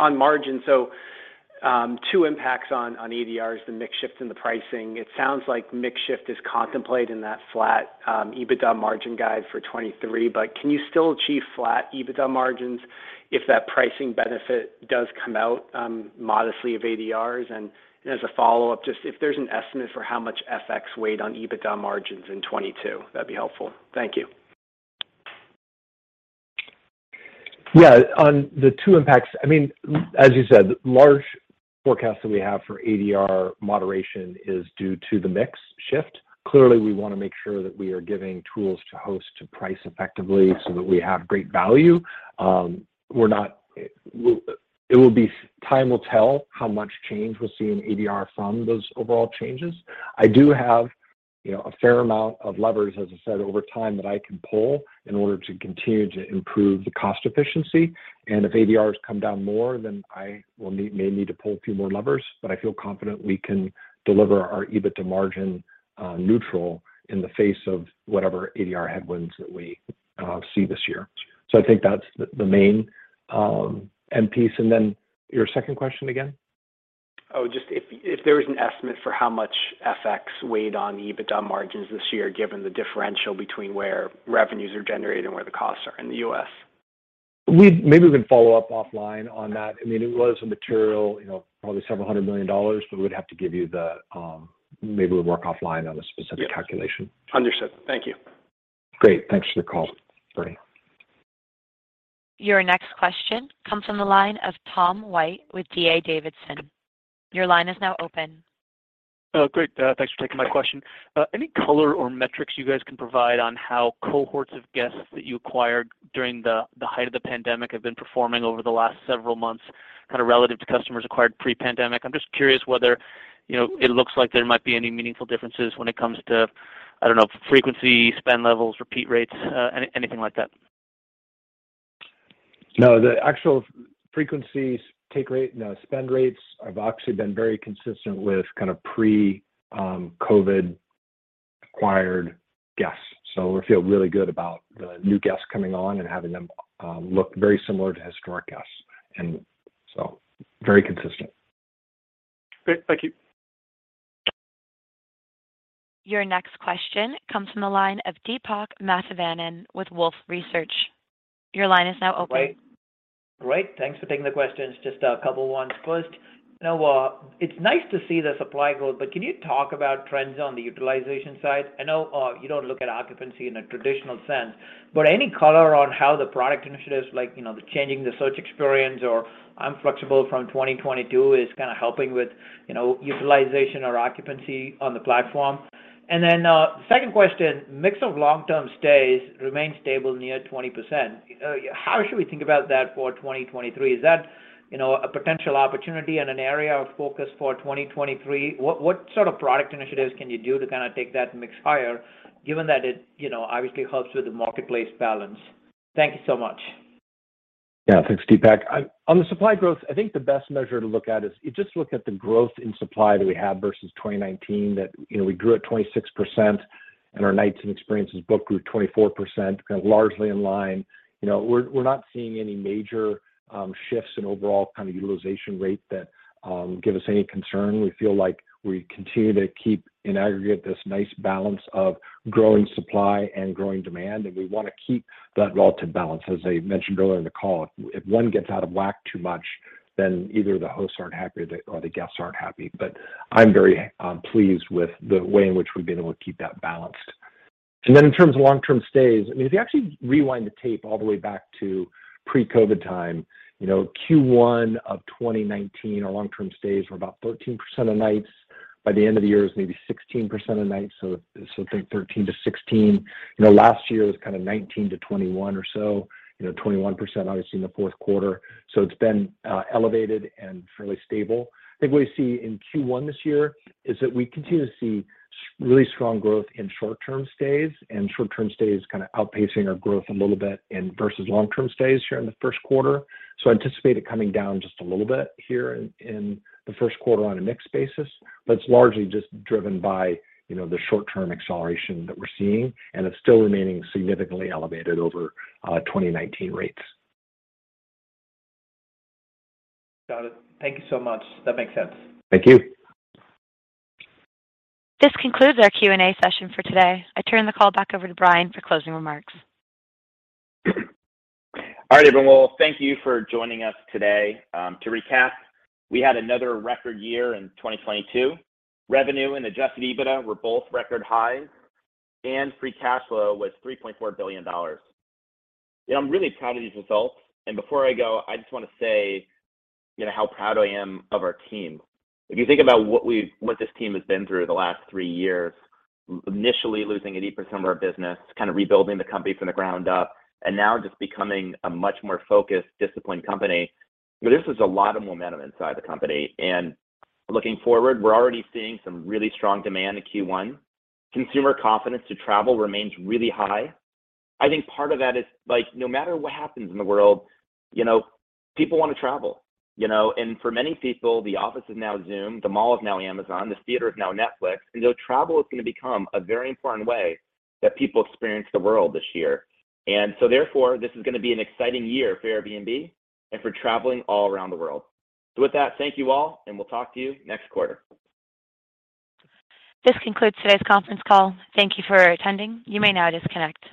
On margin, two impacts on ADRs, the mix shifts and the pricing. It sounds like mix shift is contemplated in that flat EBITDA margin guide for 23. Can you still achieve flat EBITDA margins if that pricing benefit does come out modestly of ADRs? As a follow-up, just if there's an estimate for how much FX weighed on EBITDA margins in 22, that'd be helpful. Thank you. On the two impacts, I mean, as you said, large forecast that we have for ADR moderation is due to the mix shift. Clearly, we wanna make sure that we are giving tools to host to price effectively so that we have great value. Time will tell how much change we'll see in ADR from those overall changes. I do have, you know, a fair amount of levers, as I said, over time that I can pull in order to continue to improve the cost efficiency. If ADRs come down more, may need to pull a few more levers. I feel confident we can deliver our EBITDA margin neutral in the face of whatever ADR headwinds that we see this year. I think that's the main end piece. Your second question again? Just if there was an estimate for how much FX weighed on the EBITDA margins this year, given the differential between where revenues are generated and where the costs are in the U.S. Maybe we can follow up offline on that. I mean, it was a material, you know, probably several hundred million dollars, but we would have to give you the... Maybe we'll work offline on the specific calculation. Understood. Thank you. Great. Thanks for the call, Bernie. Your next question comes from the line of Tom White with D.A. Davidson. Your line is now open. Great. Thanks for taking my question. Any color or metrics you guys can provide on how cohorts of guests that you acquired during the height of the pandemic have been performing over the last several months, kind of relative to customers acquired pre-pandemic? I'm just curious whether, you know, it looks like there might be any meaningful differences when it comes to, I don't know, frequency, spend levels, repeat rates, anything like that. No, the actual frequencies take rate and the spend rates have actually been very consistent with kind of pre COVID acquired guests. We feel really good about the new guests coming on and having them look very similar to historic guests, very consistent. Great. Thank you. Your next question comes from the line of Deepak Mathivanan with Wolfe Research. Your line is now open. Right. Great. Thanks for taking the questions. Just a couple ones. First, you know, it's nice to see the supply growth, but can you talk about trends on the utilization side? I know, you don't look at occupancy in a traditional sense, but any color on how the product initiatives like, the changing the search experience or I'm Flexible from 2022 is kind of helping with, utilization or occupancy on the platform. Second question, mix of long-term stays remains stable near 20%. How should we think about that for 2023? Is that, a potential opportunity and an area of focus for 2023? What sort of product initiatives can you do to kind of take that mix higher given that it, obviously helps with the marketplace balance? Thank you so much. Yeah. Thanks, Deepak. On the supply growth, I think the best measure to look at is you just look at the growth in supply that we have versus 2019 that, you know, we grew at 26% and our nights and experiences book grew 24%, kind of largely in line. You know, we're not seeing any major shifts in overall kind of utilization rate that give us any concern. We feel like we continue to keep in aggregate this nice balance of growing supply and growing demand, and we wanna keep that relative balance. As I mentioned earlier in the call, if one gets out of whack too much, then either the hosts aren't happy or the guests aren't happy. I'm very pleased with the way in which we've been able to keep that balanced. Then in terms of long-term stays, I mean, if you actually rewind the tape all the way back to pre-COVID time, you know, Q1 of 2019, our long-term stays were about 13% of nights. By the end of the year, it was maybe 16% of nights. So think 13%-16%. You know, last year was kinda 19%-21% or so. You know, 21% obviously in the fourth quarter. It's been elevated and fairly stable. I think what we see in Q1 this year is that we continue to see really strong growth in short-term stays, and short-term stays kinda outpacing our growth a little bit and versus long-term stays here in the first quarter. Anticipate it coming down just a little bit here in the first quarter on a mix basis. It's largely just driven by, you know, the short-term acceleration that we're seeing, and it's still remaining significantly elevated over, 2019 rates. Got it. Thank you so much. That makes sense. Thank you. This concludes our Q&A session for today. I turn the call back over to Brian for closing remarks. All right, everyone. Well, thank you for joining us today. To recap, we had another record year in 2022. Revenue and Adjusted EBITDA were both record highs, and free cash flow was $3.4 billion. You know, I'm really proud of these results. Before I go, I just wanna say, you know, how proud I am of our team. If you think about what this team has been through the last three years, initially losing 80% of our business, kind of rebuilding the company from the ground up, and now just becoming a much more focused, disciplined company. You know, this is a lot of momentum inside the company. Looking forward, we're already seeing some really strong demand in Q1. Consumer confidence to travel remains really high. I think part of that is, like, no matter what happens in the world, you know, people wanna travel, you know? For many people, the office is now Zoom, the mall is now Amazon, this theater is now Netflix, travel is gonna become a very important way that people experience the world this year. Therefore, this is gonna be an exciting year for Airbnb and for traveling all around the world. With that, thank you all, and we'll talk to you next quarter. This concludes today's conference call. Thank Thank you for attending. You may now disconnect.